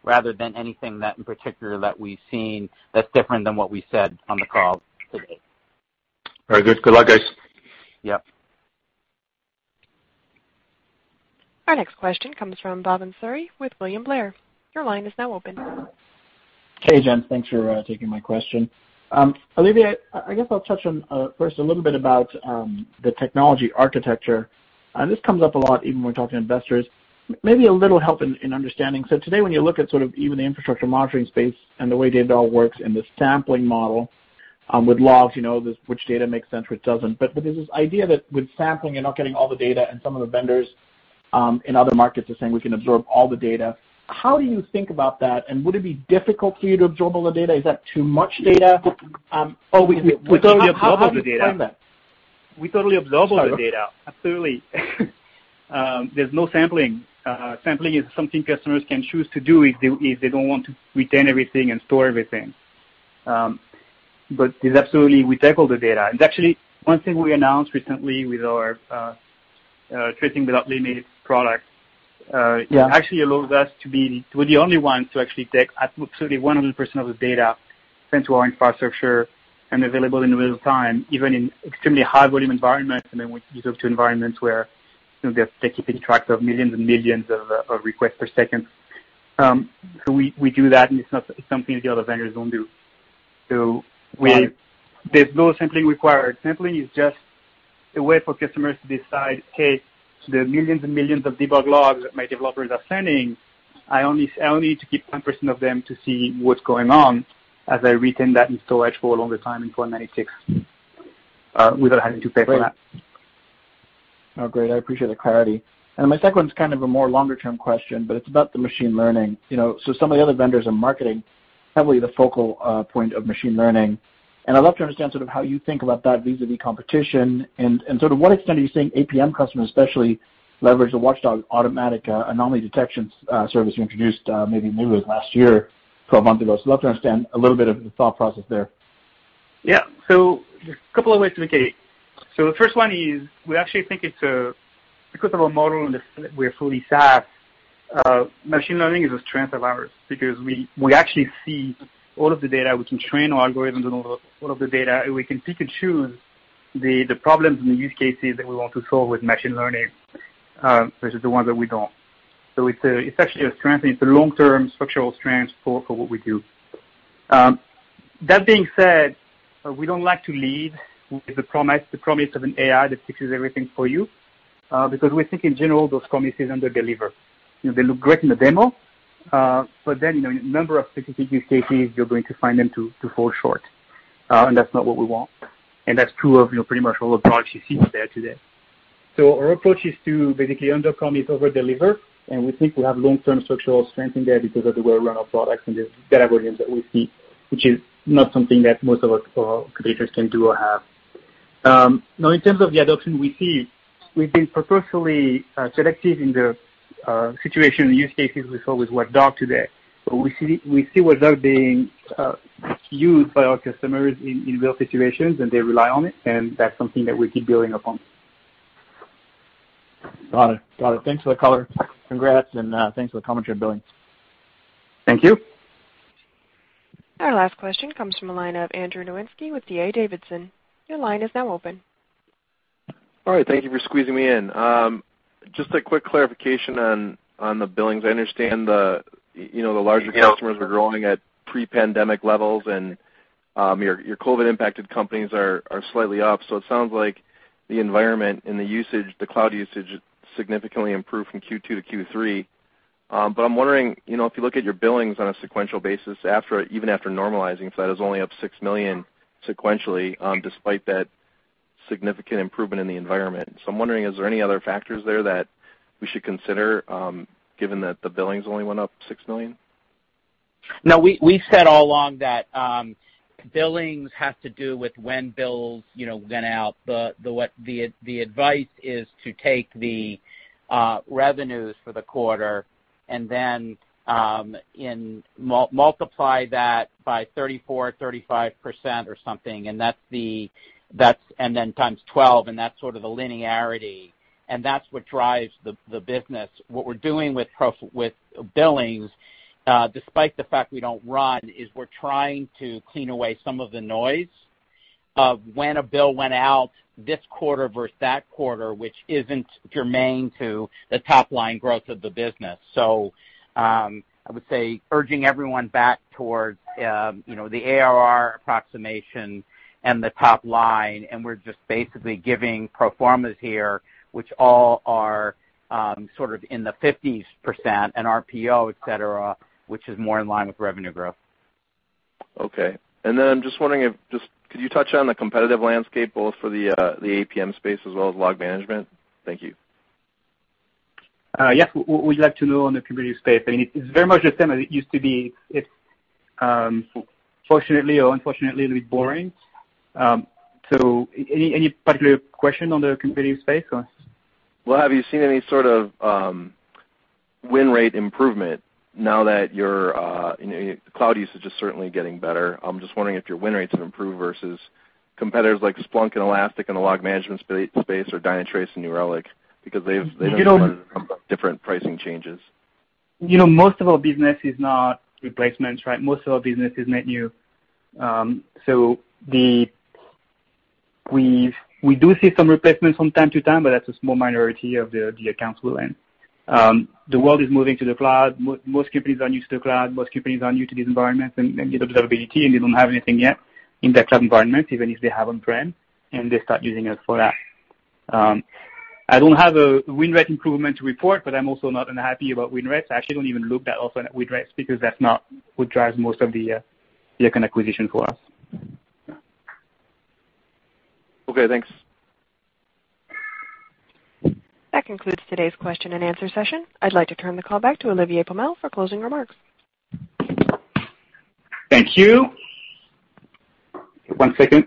rather than anything that in particular that we've seen that's different than what we said on the call today. Very good. Good luck, guys. Yep. Our next question comes from Bhavan Suri with William Blair. Your line is now open. Hey, gents. Thanks for taking my question. Olivier, I guess I'll touch on first a little bit about the technology architecture. This comes up a lot even when talking to investors. Maybe a little help in understanding. Today, when you look at sort of even the infrastructure monitoring space and the way it all works and the sampling model, with logs, you know, which data makes sense, which doesn't. There's this idea that with sampling, you're not getting all the data, and some of the vendors in other markets are saying we can absorb all the data. How do you think about that? Would it be difficult for you to absorb all the data? Is that too much data? How do you plan that? We totally absorb all the data. Sorry. Absolutely. There's no sampling. Sampling is something customers can choose to do if they don't want to retain everything and store everything. But it's absolutely we take all the data. Actually, one thing we announced recently with our Tracing without Limits product. Yeah. It actually allows us We're the only ones to actually take absolutely 100% of the data into our infrastructure and available in real time, even in extremely high volume environments. I mean, when you talk to environments where, you know, they're keeping track of millions and millions of requests per second. We do that, and it's not something the other vendors don't do. Right. There's no sampling required. Sampling is just a way for customers to decide, hey, the millions and millions of debug logs that my developers are sending, I only need to keep 10% of them to see what's going on as I retain that in storage for a longer time in, [INAUDIBLE] without having to pay for that. Oh, great. I appreciate the clarity. My second one's kind of a more longer term question, but it's about the machine learning. You know, some of the other vendors are marketing heavily the focal point of machine learning. I'd love to understand sort of how you think about that vis-a-vis competition and sort of what extent are you seeing APM customers especially leverage the Watchdog automatic anomaly detection service you introduced maybe new as last year, 12 months ago. I'd love to understand a little bit of the thought process there. There's a couple of ways to look at it. The first one is we actually think it's a Because of our model and the fact that we're fully SaaS, machine learning is a strength of ours because we actually see all of the data. We can train our algorithms on all of the data, and we can pick and choose the problems and the use cases that we want to solve with machine learning versus the ones that we don't. It's actually a strength, and it's a long-term structural strength for what we do. That being said, we don't like to lead with the promise of an AI that fixes everything for you because we think in general, those promises underdeliver. You know, they look great in the demo, you know, in a number of specific use cases, you're going to find them to fall short. That's not what we want. That's true of, you know, pretty much all the products you see today. Our approach is to basically underpromise, overdeliver, and we think we have long-term structural strength in there because of the way we run our products and the data volumes that we see, which is not something that most of our competitors can do or have. Now in terms of the adoption we see, we've been purposefully selective in the situation use cases we saw with Watchdog today. We see Watchdog being used by our customers in real situations, and they rely on it, and that's something that we keep building upon. Got it. Thanks for the color. Congrats, and thanks for the commentary on billings. Thank you. Our last question comes from the line of Andrew Nowinski with D.A. Davidson. Your line is now open. All right. Thank you for squeezing me in. Just a quick clarification on the billings. I understand the, you know, the larger customers. Yeah are growing at pre-pandemic levels. Your COVID-impacted companies are slightly up. It sounds like the environment and the usage, the cloud usage significantly improved from Q2 to Q3. I'm wondering, you know, if you look at your billings on a sequential basis even after normalizing for that, it's only up $6 million sequentially despite that significant improvement in the environment. I'm wondering, is there any other factors there that we should consider given that the billings only went up $6 million? No, we said all along that billings have to do with when bills, you know, went out. The advice is to take the revenues for the quarter and then multiply that by 34%, 35% or something, and that's And then times 12, and that's sort of the linearity, and that's what drives the business. What we're doing with billings, despite the fact we don't run, is we're trying to clean away some of the noise of when a bill went out this quarter versus that quarter, which isn't germane to the top-line growth of the business. I would say urging everyone back towards, you know, the ARR approximation and the top line, and we're just basically giving pro formas here, which all are sort of in the 50s%, cRPO, et cetera, which is more in line with revenue growth. Okay. Then I'm just wondering, could you touch on the competitive landscape both for the APM space as well as log management? Thank you. Yeah. We'd like to know on the competitive space. I mean, it's very much the same as it used to be. It's, fortunately or unfortunately, a little bit boring. Any particular question on the competitive space? Well, have you seen any sort of win rate improvement now that your, you know, your cloud usage is certainly getting better? I'm just wondering if your win rates have improved versus competitors like Splunk and Elastic in the log management space or Dynatrace and New Relic because they've had a ton of different pricing changes. You know, most of our business is not replacements, right? Most of our business is net new. We do see some replacements from time to time, that's a small minority of the accounts we win. The world is moving to the cloud. Most companies are used to the cloud. Most companies are new to these environments and get observability, they don't have anything yet in their cloud environment, even if they have on-prem, they start using us for that. I don't have a win rate improvement to report, I'm also not unhappy about win rates. I actually don't even look that often at win rates because that's not what drives most of the acquisition for us. Okay, thanks. That concludes today's question and answer session. I'd like to turn the call back to Olivier Pomel for closing remarks. Thank you. One second.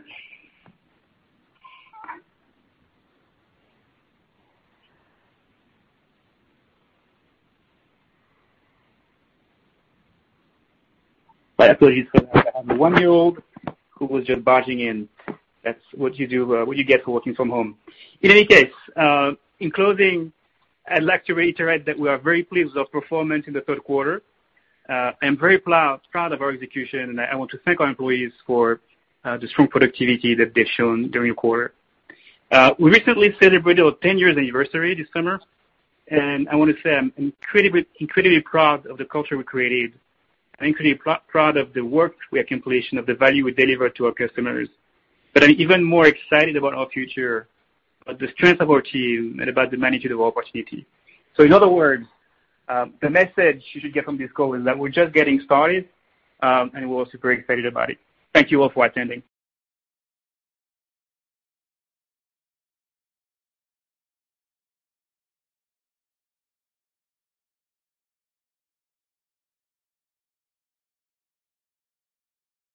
I apologize for that. I have a 1-year-old who was just barging in. That's what you get for working from home. In any case, in closing, I'd like to reiterate that we are very pleased with our performance in the Q3. I'm very proud of our execution, I want to thank our employees for the strong productivity that they've shown during the quarter. We recently celebrated our 10-year anniversary this summer, I wanna say I'm incredibly proud of the culture we created. I'm incredibly proud of the work we are completing, of the value we deliver to our customers. I'm even more excited about our future, about the strength of our team and about the magnitude of opportunity. In other words, the message you should get from this call is that we're just getting started, and we're all super excited about it. Thank you all for attending.